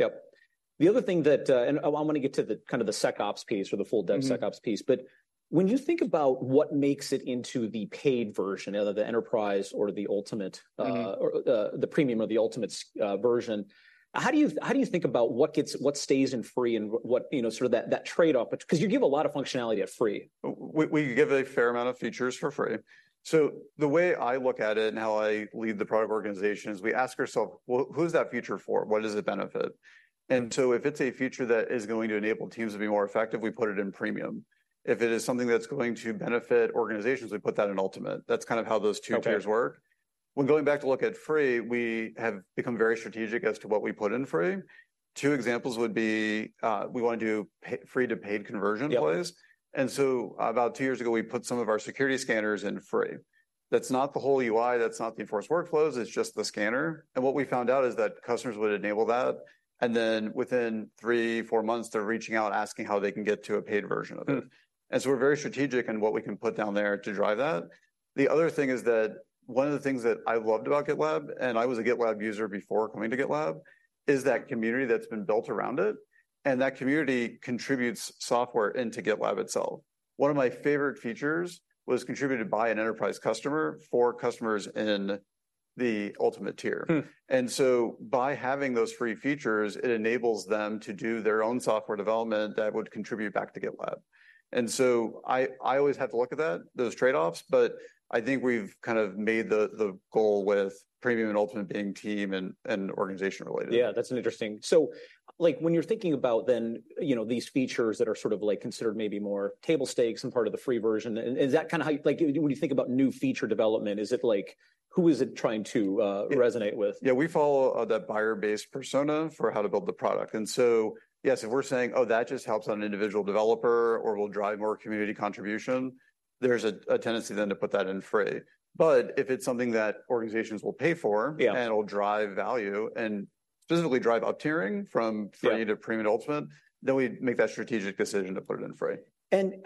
The other thing that, and I wanna get to the kind of the SecOps piece or the full dev SecOps piece, but when you think about what makes it into the paid version, either the enterprise or the ultimate, or, the Premium or the Ultimate version how do you think about what stays in Free and what that trade-off? But 'cause you give a lot of functionality at Free. We give a fair amount of features for Free. The way I look at it and how I lead the product organization is we ask ourselves, "Well, who's that feature for? What does it benefit?" If it's a feature that is going to enable teams to be more effective, we put it in Premium. If it is something that's going to benefit organizations, we put that in ultimate. That's kind of how those two tiers work. When going back to look at Free, we have become very strategic as to what we put in Free. Two examples would be, we wanna do free-to-paid conversion plays. About 2 years ago, we put some of our security scanners for Free. That's not the whole UI, that's not the enforced workflows, it's just the scanner. What we found out is that customers would enable that, and then within three, four months, they're reaching out, asking how they can get to a paid version of it. And so we're very strategic in what we can put down there to drive that. The other thing is that one of the things that I loved about GitLab, and I was a GitLab user before coming to GitLab, is that community that's been built around it, and that community contributes software into GitLab itself. One of my favorite features was contributed by an enterprise customer for customers in the Ultimate tier. By having those Free features, it enables them to do their own software development that would contribute back to GitLab. I always have to look at those trade-offs, but I think we've kind of made the goal with Premium and Ultimate being team and organization-related. That's interesting, when you're thinking about then these features that are sort of, like, considered maybe more table stakes and part of the Free version, is that when you think about new feature development, is it, like, who is it trying to resonate with? We follow that buyer-based persona for how to build the product. And so, yes, if we're saying, "Oh, that just helps out an individual developer or will drive more community contribution," there's a tendency then to put that in Free. But if it's something that organizations will pay for and it'll drive value and specifically drive up-tiering from Free to Premium to Ultimate, then we make that strategic decision to put it in Free.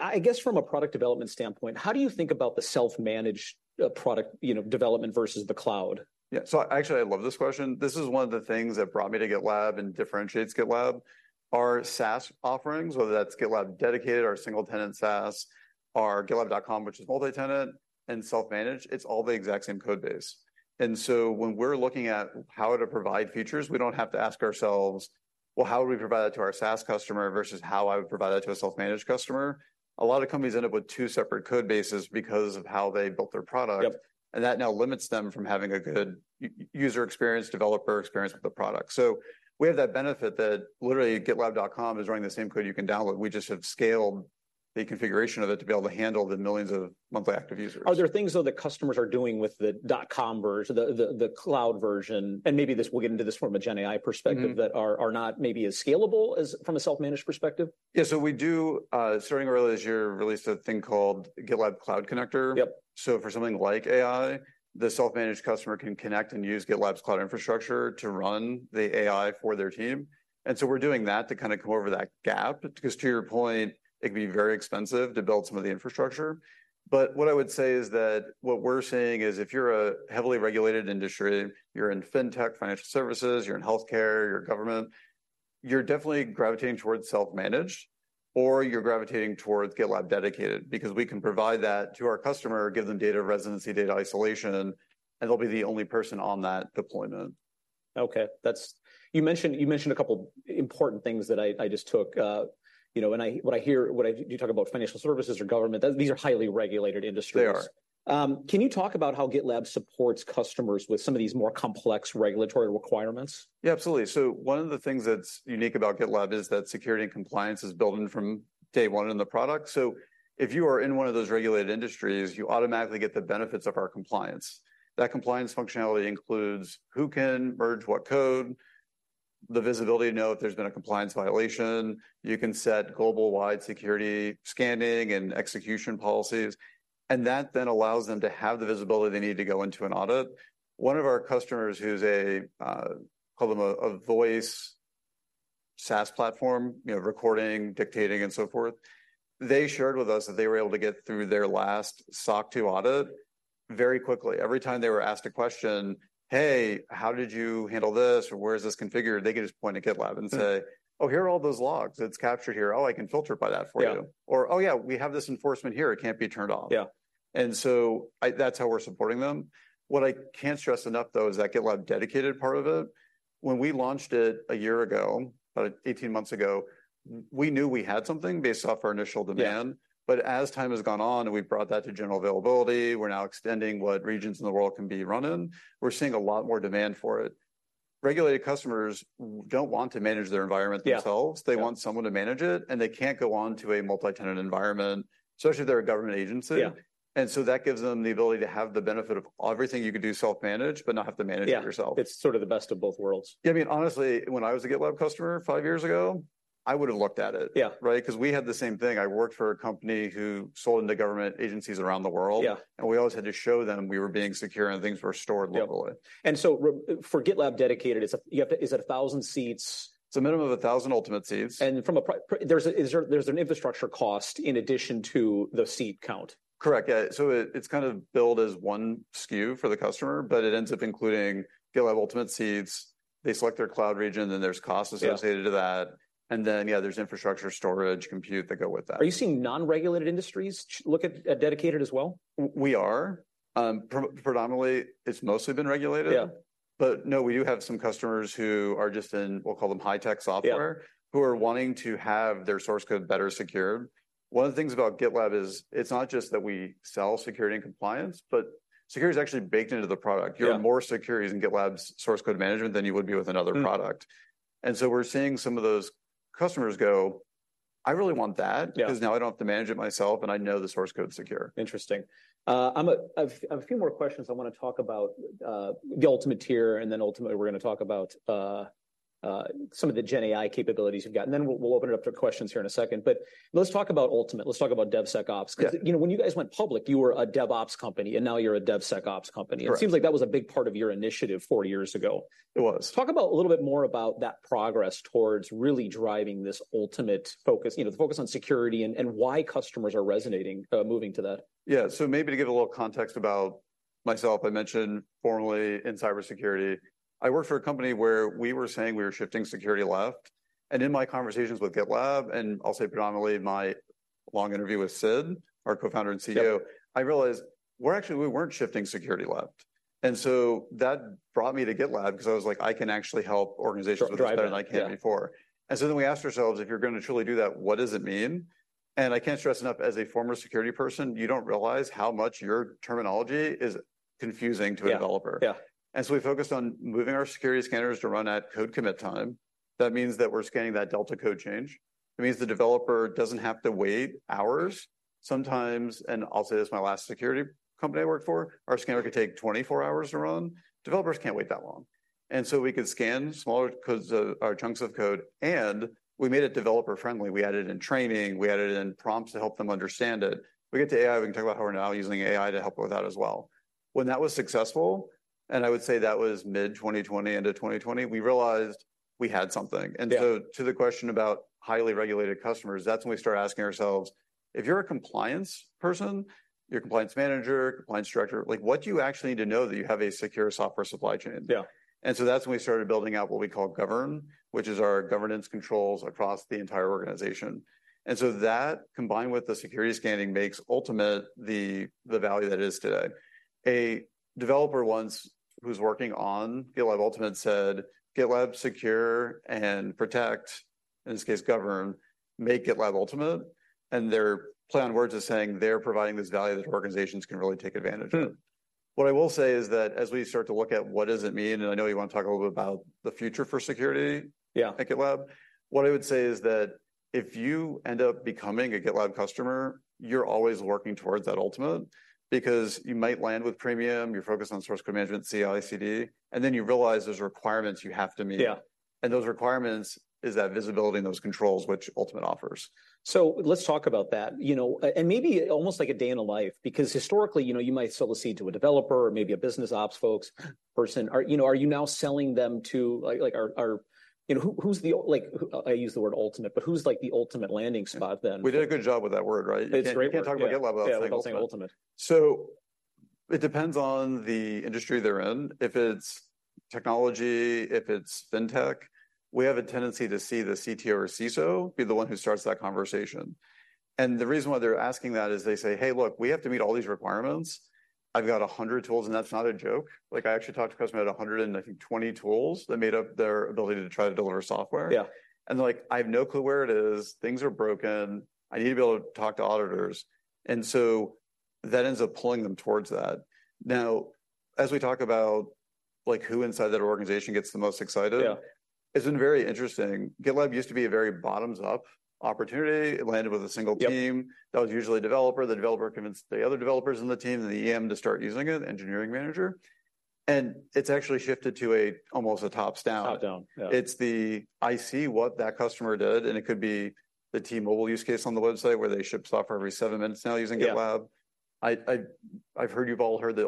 I guess from a product development standpoint, how do you think about the self-managed product, you know, development versus the cloud? Yeah, so actually, I love this question. This is one of the things that brought me to GitLab and differentiates GitLab. Our SaaS offerings, whether that's GitLab Dedicated, our single-tenant SaaS, our gitlab.com, which is multi-tenant and self-managed, it's all the exact same code base. And so when we're looking at how to provide features, we don't have to ask ourselves, "Well, how would we provide that to our SaaS customer versus how I would provide that to a self-managed customer?" A lot of companies end up with two separate code bases because of how they built their product and that now limits them from having a good user experience, developer experience with the product. So we have that benefit that literally GitLab.com is running the same code you can download. We just have scaled the configuration of it to be able to handle the millions of monthly active users. Are there things, though, that customers are doing with the .com version, the cloud version, and maybe this, we'll get into this from a GenAI perspective that are not maybe as scalable as from a self-managed perspective? Yeah, so we do, starting early this year, released a thing called GitLab Cloud Connector. So for something like AI, the self-managed customer can connect and use GitLab's cloud infrastructure to run the AI for their team. And so we're doing that to kind of come over that gap, because to your point, it can be very expensive to build some of the infrastructure. But what I would say is that what we're seeing is if you're a heavily regulated industry, you're in fintech, financial services, you're in healthcare, you're in government, you're definitely gravitating towards self-managed or you're gravitating towards GitLab Dedicated, because we can provide that to our customer, give them data residency, data isolation, and they'll be the only person on that deployment. Okay, that's. You mentioned a couple important things that I just took, you know, when I hear you talk about financial services or government, those, these are highly regulated industries. They are. Can you talk about how GitLab supports customers with some of these more complex regulatory requirements? Yeah, absolutely. So one of the things that's unique about GitLab is that security and compliance is built in from day one in the product. So if you are in one of those regulated industries, you automatically get the benefits of our compliance. That compliance functionality includes who can merge what code, the visibility to know if there's been a compliance violation. You can set global-wide security scanning and execution policies, and that then allows them to have the visibility they need to go into an audit. One of our customers, who's a call them a voice SaaS platform, you know, recording, dictating, and so forth. They shared with us that they were able to get through their last SOC 2 audit very quickly. Every time they were asked a question, "Hey, how did you handle this?" or, "Where is this configured?" They could just point to GitLab and say, Oh, here are all those logs. It's captured here. Oh, I can filter it by that for you or, "Oh, yeah, we have this enforcement here. It can't be turned off. And so, that's how we're supporting them. What I can't stress enough, though, is that GitLab Dedicated part of it. When we launched it a year ago, about 18 months ago, we knew we had something based off our initial demand. But as time has gone on and we've brought that to general availability, we're now extending what regions in the world can be run in, we're seeing a lot more demand for it. Regulated customers don't want to manage their environment themselves. They want someone to manage it, and they can't go onto a multi-tenant environment, especially if they're a government agency. And so that gives them the ability to have the benefit of everything you could do self-managed, but not have to manage it yourself. Yeah. It's sort of the best of both worlds. Yeah, I mean, honestly, when I was a GitLab customer five years ago, I would've looked at it right? 'Cause we had the same thing. I worked for a company who sold into government agencies around the world. We always had to show them we were being secure, and things were stored locally. For GitLab Dedicated, is it 1,000 seats? It's a minimum of 1,000 Ultimate seats. Is there an infrastructure cost in addition to the seat count? Correct, yeah. It's kind of billed as one SKU for the customer, but it ends up including GitLab Ultimate seats. They select their cloud region, then there's costs associated to that. And then, yeah, there's infrastructure, storage, compute that go with that. Are you seeing non-regulated industries look at Dedicated as well? We are. Predominantly, it's mostly been regulated. But no, we do have some customers who are just in, we'll call them high-tech software who are wanting to have their source code better secured. One of the things about GitLab is, it's not just that we sell security and compliance, but security is actually baked into the product. You're more secure using GitLab's source code management than you would be with another product. And so we're seeing some of those customers go, "I really want that because now I don't have to manage it myself, and I know the source code's secure. Interesting. I have a few more questions. I wanna talk about the Ultimate tier, and then ultimately, we're gonna talk about some of the GenAI capabilities you've got, and then we'll open it up to questions here in a second. But let's talk about Ultimate. Let's talk about DevSecOps. 'Cause, you know, when you guys went public, you were a DevOps company, and now you're a DevSecOps company. Correct. It seems like that was a big part of your initiative four years ago. It was. Talk about a little bit more about that progress towards really driving this Ultimate on security and why customers are resonating moving to that. Maybe to give a little context about myself, I mentioned formerly in cybersecurity. I worked for a company where we were saying we were shifting security left, and in my conversations with GitLab, and I'll say predominantly my long interview with Sid, our co-founder and CEO I realized we're actually, we weren't shifting security left. And so that brought me to GitLab, 'cause I was like: I can actually help organizations do better than I can before. And so then we asked ourselves: If you're gonna truly do that, what does it mean? And I can't stress enough, as a former security person, you don't realize how much your terminology is confusing to a developer. And so we focused on moving our security scanners to run at code commit time. That means that we're scanning that delta code change. It means the developer doesn't have to wait hours sometimes, and I'll say this, my last security company I worked for, our scanner could take 24 hours to run. Developers can't wait that long. And so we could scan smaller codes of or chunks of code, and we made it developer-friendly. We added in training. We added in prompts to help them understand it. We get to AI, we can talk about how we're now using AI to help with that as well. When that was successful, and I would say that was mid-2020 into 2020, we realized we had something. And so, to the question about highly regulated customers, that's when we started asking ourselves: If you're a compliance person, you're a compliance manager, compliance director, like, what do you actually need to know that you have a secure software supply chain? And so that's when we started building out what we call Govern, which is our governance controls across the entire organization. And so that, combined with the security scanning, makes Ultimate the value that it is today. A developer once, who was working on GitLab Ultimate, said, "GitLab secure and protect," in this case Govern, "make GitLab Ultimate," and their play on words is saying they're providing this value that organizations can really take advantage of. What I will say is that, as we start to look at what does it mean, and I know you wanna talk a little bit about the future for security at GitLab. What I would say is that, if you end up becoming a GitLab customer, you're always working towards that Ultimate. Because you might land with Premium, you're focused on source code management, CI/CD, and then you realize there's requirements you have to meet w is that visibility and those controls which Ultimate offers. So let's talk about that. You know, and maybe almost like a day in the life, because historically, you know, you might sell a seat to a developer or maybe a business ops folks person. Are you now selling them to who, I use the word Ultimate, but who's, like, the Ultimate landing spot then? We did a good job with that word, right? It's great word. You can't, you can't talk about GitLab without saying Ultimate. Yeah, without saying Ultimate. So it depends on the industry they're in. If it's technology, if it's fintech, we have a tendency to see the CTO or CISO be the one who starts that conversation. And the reason why they're asking that is they say: "Hey, look, we have to meet all these requirements. I've got 100 tools," and that's not a joke. Like, I actually talked to a customer who had 120 tools that made up their ability to try to deliver software. They're like: "I have no clue where it is. Things are broken. I need to be able to talk to auditors." And so that ends up pulling them towards that. Now, as we talk about, like, who inside that organization gets the most excited it's been very interesting. GitLab used to be a very bottoms-up opportunity. It landed with a single team. That was usually a developer. The developer convinced the other developers in the team and the EM to start using it, engineering manager, and it's actually shifted to almost a top-down. What that customer did, and it could be the T-Mobile use case on the website, where they ship software every seven minutes now using GitLab. I’ve heard you’ve all heard the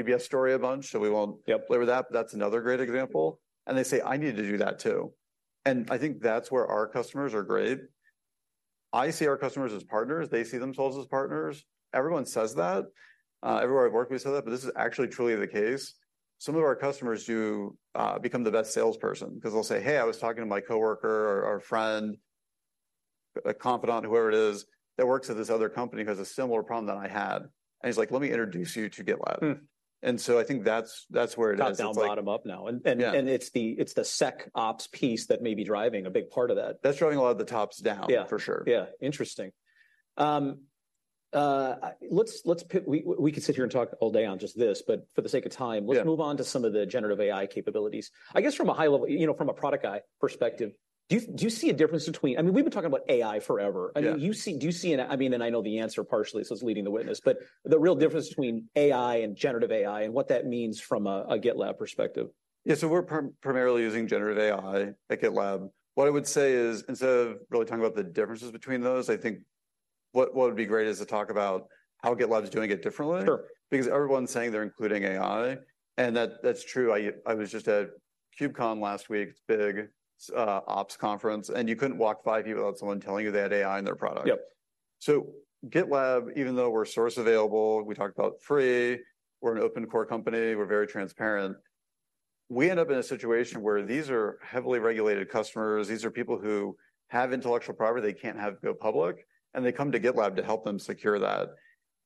UBS story a bunch, so we won’t play with that, but that's another great example. And they say, "I need to do that, too." And I think that's where our customers are great. I see our customers as partners. They see themselves as partners. Everyone says that. Everywhere I've worked, we say that, but this is actually truly the case. Some of our customers do become the best salesperson, 'cause they'll say, "Hey, I was talking to my coworker or friend, a confidant, whoever it is, that works at this other company who has a similar problem that I had." And he's like, "Let me introduce you to GitLab. And so I think that's, that's where it is. Top-down, bottom-up now. It's the SecOps piece that may be driving a big part of that. That's driving a lot of the top-down for sure. Interesting. We could sit here and talk all day on just this, but for the sake of time. Let's move on to some of the generative AI capabilities. I guess from a high level from a productivity perspective, do you see a difference between, we've been talking about AI forever. I know the answer partially, so it's leading the witness, but the real difference between AI and generative AI and what that means from a GitLab perspective. We're primarily using generative AI at GitLab. What I would say is, instead of really talking about the differences between those, I think what would be great is to talk about how GitLab is doing it differently. Because everyone's saying they're including AI, and that, that's true. I, I was just at KubeCon last week, it's big, ops conference, and you couldn't walk five people without someone telling you they had AI in their product. So GitLab, even though we're source available, we talked about free, we're an open core company, we're very transparent. We end up in a situation where these are heavily regulated customers. These are people who have intellectual property they can't have go public, and they come to GitLab to help them secure that.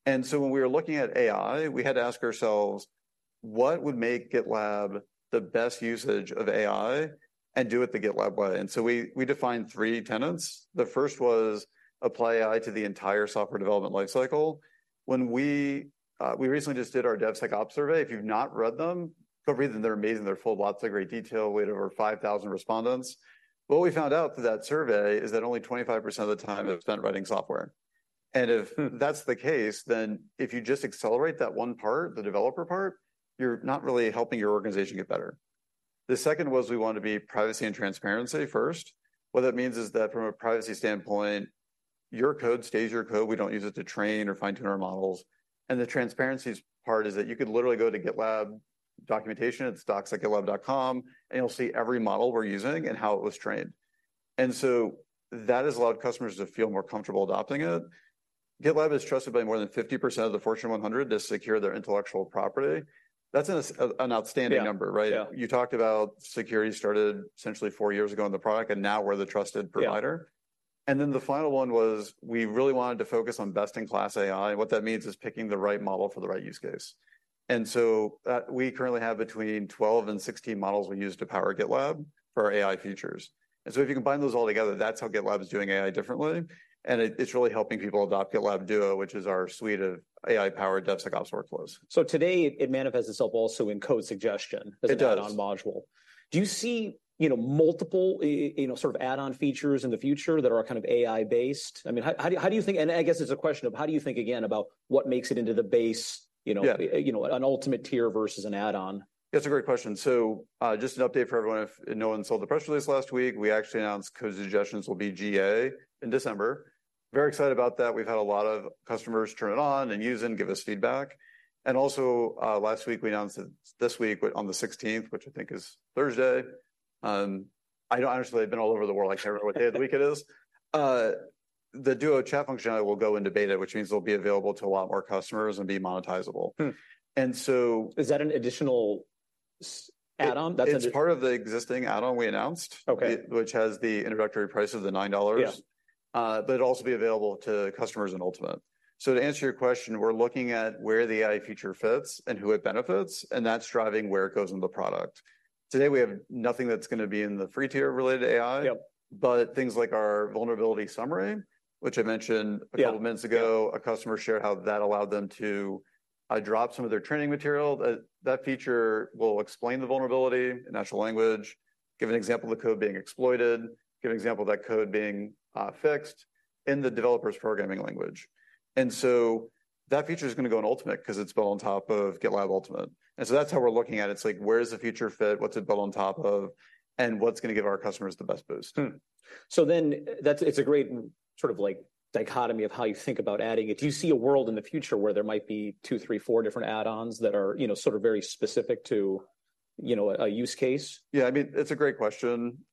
And so when we were looking at AI, we had to ask ourselves: What would make GitLab the best usage of AI and do it the GitLab way? And so we, we defined three tenets. The first was apply AI to the entire software development life cycle. We recently just did our DevSecOps survey. If you've not read them, go read them. They're amazing. They're full of lots of great detail. We had over 5,000 respondents. What we found out through that survey is that only 25% of the time is spent writing software. If that's the case, then if you just accelerate that one part, the developer part, you're not really helping your organization get better. The second was we want to be privacy and transparency first. What that means is that from a privacy standpoint, your code stays your code. We don't use it to train or fine-tune our models. The transparency part is that you could literally go to GitLab documentation, it's docs.gitlab.com, and you'll see every model we're using and how it was trained. And so that has allowed customers to feel more comfortable adopting it. GitLab is trusted by more than 50% of the Fortune 100 to secure their intellectual property. That's an outstanding number, right? You talked about security started essentially four years ago in the product, and now we're the trusted provider. Then the final one was, we really wanted to focus on best-in-class AI, and what that means is picking the right model for the right use case. And so, we currently have between 12 and 16 models we use to power GitLab for our AI features. And so if you combine those all together, that's how GitLab is doing AI differently, and it, it's really helping people adopt GitLab Duo, which is our suite of AI-powered DevSecOps workflows. Today, it also manifests itself in Code Suggestions as an add-on module. Do you see multiple add-on features in the future that are kind of AI based? How do you think, again, about what makes it into the base, an Ultimate tier versus an add-on? That's a great question. So, just an update for everyone, if no one saw the press release last week, we actually announced Code Suggestions will be GA in December. Very excited about that. We've had a lot of customers turn it on and use it and give us feedback. And also, last week, we announced that this week, with on the 16th, which I think is Thursday, I know, honestly, I've been all over the world. I can't remember what day of the week it is. The Duo Chat functionality will go into beta, which means it'll be available to a lot more customers and be monetizable. Is that an additional add-on? It's part of the existing add-on we announced which has an introductory price of the $9. But it'll also be available to customers in Ultimate. So to answer your question, we're looking at where the AI feature fits and who it benefits, and that's driving where it goes in the product. Today we have nothing that's gonna be in the Free tier related to AI. But things like our vulnerability summary, which I mentioned a couple of minutes ago, a customer shared how that allowed them to drop some of their training material. That feature will explain the vulnerability in natural language, give an example of the code being exploited, give an example of that code being fixed in the developer's programming language. And so that feature is gonna go in Ultimate 'cause it's built on top of GitLab Ultimate. And so that's how we're looking at it. It's like, where does the feature fit, what's it built on top of, and what's gonna give our customers the best boost? So then, it's a great sort of like dichotomy of how you think about adding it. Do you see a world in the future where there might be two, three, four different add-ons that are, you know, sort of very specific to, you know, a use case? Yeah, I mean, it's a great question.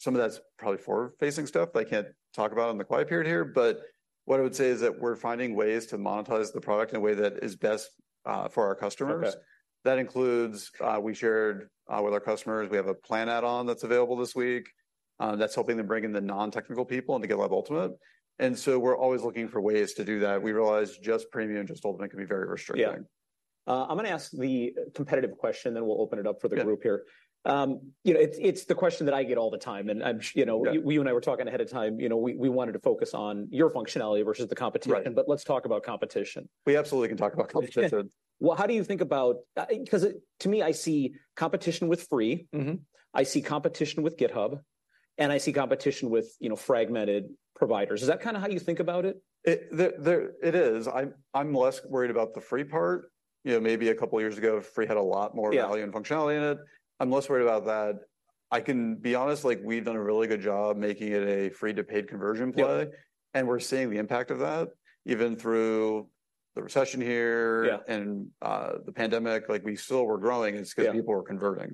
Some of that's probably forward-facing stuff that I can't talk about in the quiet period here. But what I would say is that we're finding ways to monetize the product in a way that is best, for our customers. That includes, we shared with our customers, we have a Plan add-on that's available this week, that's helping them bring in the non-technical people into GitLab Ultimate. And so we're always looking for ways to do that. We realize just Premium, just Ultimate, can be very restricting. I'm gonna ask the competitive question, then we'll open it up for the group here. You know, it's the question that I get all the time. You and I were talking ahead of time. We wanted to focus on your functionality versus the competition. But let's talk about competition. We absolutely can talk about competition. Well, how do you think about, 'Cause to me, I see competition with Free. I see competition with GitHub, and I see competition with, you know, fragmented providers. Is that kinda how you think about it? I'm less worried about the free part. Maybe a couple of years ago, Free had a lot more value and functionality in it. I'm less worried about that. I can be honest, like, we've done a really good job making it a free-to-paid conversion play. We're seeing the impact of that, even through the recession here and, the pandemic, like, we still were growing it's 'cause people were converting.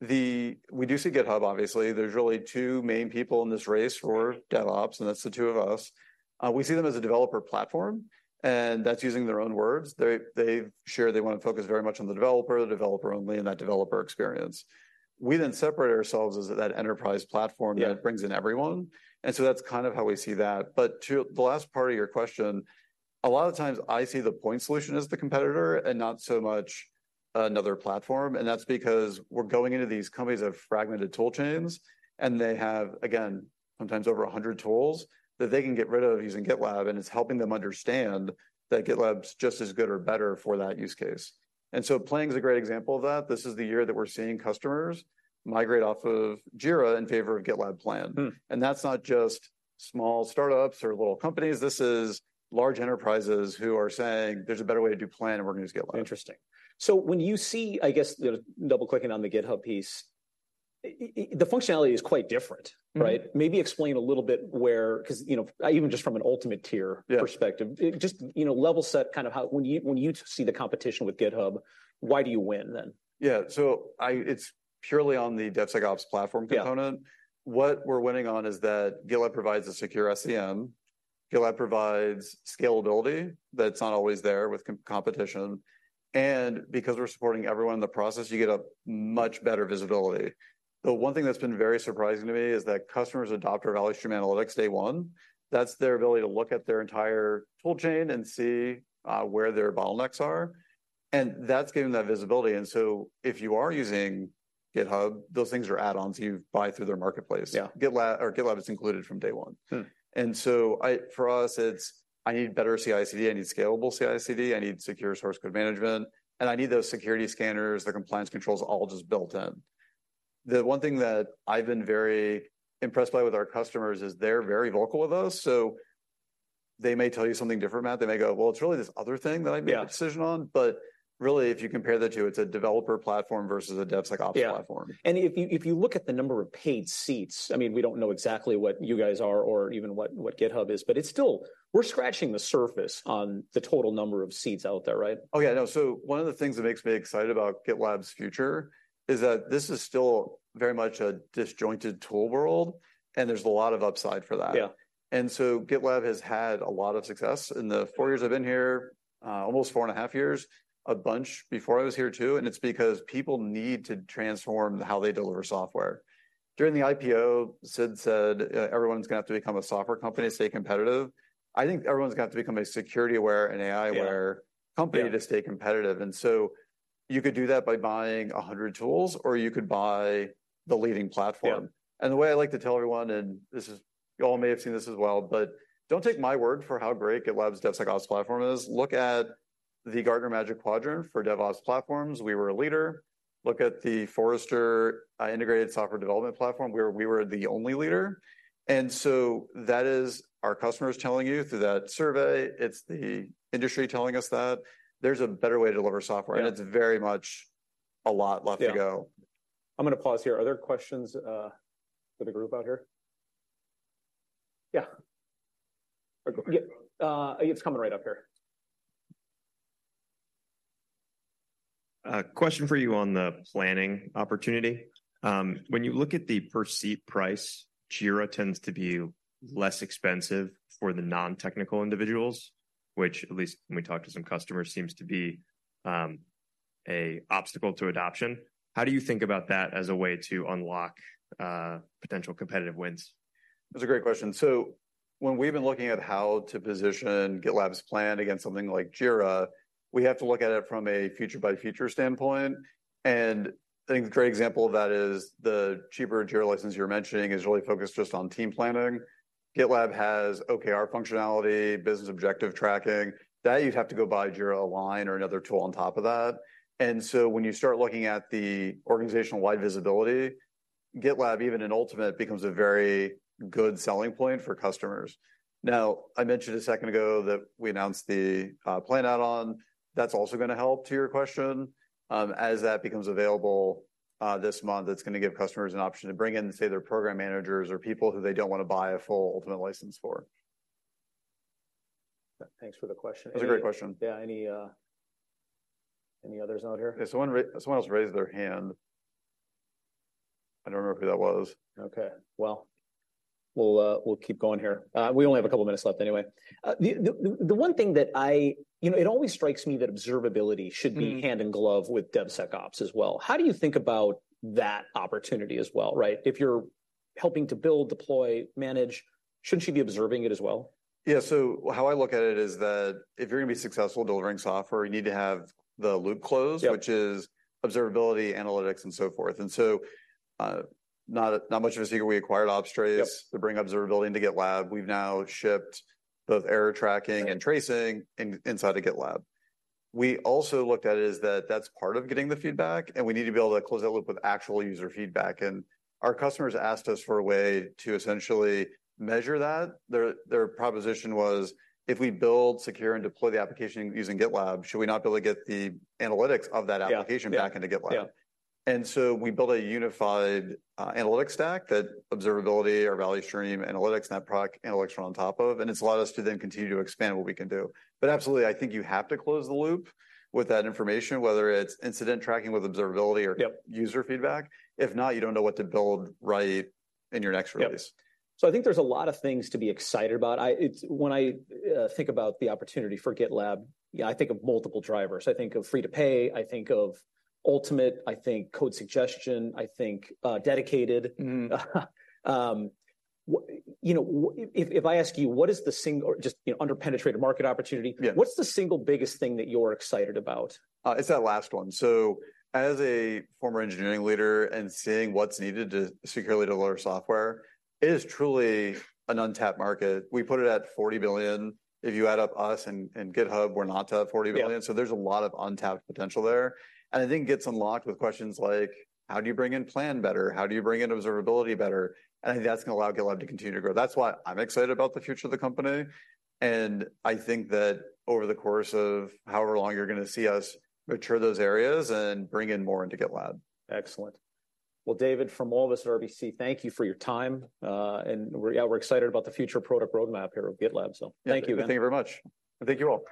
We do see GitHub, obviously. There's really two main people in this race for DevOps, and that's the two of us. We see them as a developer platform, and that's using their own words. They, they've shared they wanna focus very much on the developer, the developer only, and that developer experience. We then separate ourselves as that enterprise platform that brings in everyone, and so that's kind of how we see that. But to the last part of your question, a lot of times, I see the point solution as the competitor and not so much another platform, and that's because we're going into these companies of fragmented tool chains, and they have, again, sometimes over 100 tools that they can get rid of using GitLab, and it's helping them understand that GitLab's just as good or better for that use case. And so Plan is a great example of that. This is the year that we're seeing customers migrate off of Jira in favor of GitLab Plan. That's not just small startups or little companies. This is large enterprises who are saying, "There's a better way to do plan, and we're gonna use GitLab. Interesting. So when you see, I guess, the double-clicking on the GitHub piece, the functionality is quite different, right? Maybe explain a little bit where 'cause even just from an Ultimate tier perspective, just, you know, level set kind of how when you, when you see the competition with GitHub, why do you win then? Yeah. So it's purely on the DevSecOps platform component. What we're winning on is that GitLab provides a secure SCM. GitLab provides scalability that's not always there with competition, and because we're supporting everyone in the process, you get a much better visibility. The one thing that's been very surprising to me is that customers adopt our Value Stream Analytics day one. That's their ability to look at their entire tool chain and see where their bottlenecks are, and that's giving them visibility. And so if you are using GitHub, those things are add-ons you buy through their marketplace. GitLab is included from day one. And so, for us, it's, I need better CI/CD, I need scalable CI/CD, I need secure source code management, and I need those security scanners, the compliance controls, all just built in. The one thing that I've been very impressed by with our customers is they're very vocal with us. So they may tell you something different, Matt. They may go, "Well, it's really this other thing that I made a decision on," but really, if you compare the two, it's a developer platform versus a DevSecOps platform. If you look at the number of paid seats, we don't know exactly what you guys are or even what GitHub is, but it's still... We're scratching the surface on the total number of seats out there, right? One of the things that makes me excited about GitLab's future is that this is still very much a disjointed tool world, and there's a lot of upside for that. And so GitLab has had a lot of success. In the four years I've been here, almost four and a half years, a bunch before I was here, too, and it's because people need to transform how they deliver software. During the IPO, Sid said, "Everyone's gonna have to become a software company to stay competitive." I think everyone's gonna have to become a security-aware and AI-aware company to stay competitive. You could do that by buying 100 tools, or you could buy the leading platform. The way I like to tell everyone, and you all may have seen this as well, but don't take my word for how great GitLab's DevSecOps platform is. Look at the Gartner Magic Quadrant for DevOps platforms. We were a leader. Look at the Forrester Integrated Software Development Platform, where we were the only leader. And so that is our customers telling you through that survey, it's the industry telling us that there's a better way to deliver software and it's very much a lot left to go. I'm gonna pause here. Are there questions for the group out here? Go ahead. It's coming right up here. Question for you on the planning opportunity. When you look at the per-seat price, Jira tends to be less expensive for the non-technical individuals, which, at least when we talk to some customers, seems to be an obstacle to adoption. How do you think about that as a way to unlock potential competitive wins? That's a great question. So when we've been looking at how to position GitLab's plan against something like Jira, we have to look at it from a feature-by-feature standpoint, and I think a great example of that is the cheaper Jira license you're mentioning is really focused just on team planning. GitLab has OKR functionality, business objective tracking. That, you'd have to go buy Jira Align or another tool on top of that. And so when you start looking at the organization-wide visibility, GitLab, even in Ultimate, becomes a very good selling point for customers. Now, I mentioned a second ago that we announced the plan add-on. That's also gonna help, to your question. As that becomes available this month, it's gonna give customers an option to bring in, say, their program managers or people who they don't wanna buy a full Ultimate license for. Thanks for the question. That's a great question. Yeah, any, any others out here? Yeah, someone else raised their hand. I don't remember who that was. Okay. Well, we'll keep going here. We only have a couple minutes left anyway. The one thing that it always strikes me that observability should be hand in glove with DevSecOps as well. How do you think about that opportunity as well, right? If you're helping to build, deploy, manage, shouldn't you be observing it as well? How I look at it is that if you're gonna be successful delivering software, you need to have the loop closed which is observability, analytics, and so forth. And so, not much of a secret, we acquired Opstrace to bring observability into GitLab. We've now shipped both error tracking and tracing inside of GitLab. We also looked at it as that that's part of getting the feedback, and we need to be able to close that loop with actual user feedback. And our customers asked us for a way to essentially measure that. Their proposition was, "If we build, secure, and deploy the application using GitLab, should we not be able to get the analytics of that application back into GitLab? We built a unified analytics stack that observability or Value Stream Analytics, Product Analytics are on top of, and it's allowed us to then continue to expand what we can do. But absolutely, I think you have to close the loop with that information, whether it's incident tracking with observability or user feedback. If not, you don't know what to build right in your next release. There's a lot of things to be excited about. It's when I think about the opportunity for GitLab, I think of multiple drivers. I think of free-to-play, I think of Ultimate, I think Code Suggestion, I think Dedicated. Well, if I ask you, what is the single or just underpenetrated market opportunity, what's the single biggest thing that you're excited about? It's that last one. So as a former engineering leader and seeing what's needed to securely deliver software, it is truly an untapped market. We put it at $40 billion. If you add up us and, and GitHub, we're not to $40 billion. So there's a lot of untapped potential there, and I think it gets unlocked with questions like: How do you bring in Plan better? How do you bring in observability better? And I think that's gonna allow GitLab to continue to grow. That's why I'm excited about the future of the company, and I think that over the course of however long, you're gonna see us mature those areas and bring in more into GitLab. Excellent. Well, David, from all of us at RBC, thank you for your time. And we're excited about the future product roadmap here at GitLab, so thank you, man. Yeah. Thank you very much, and thank you all.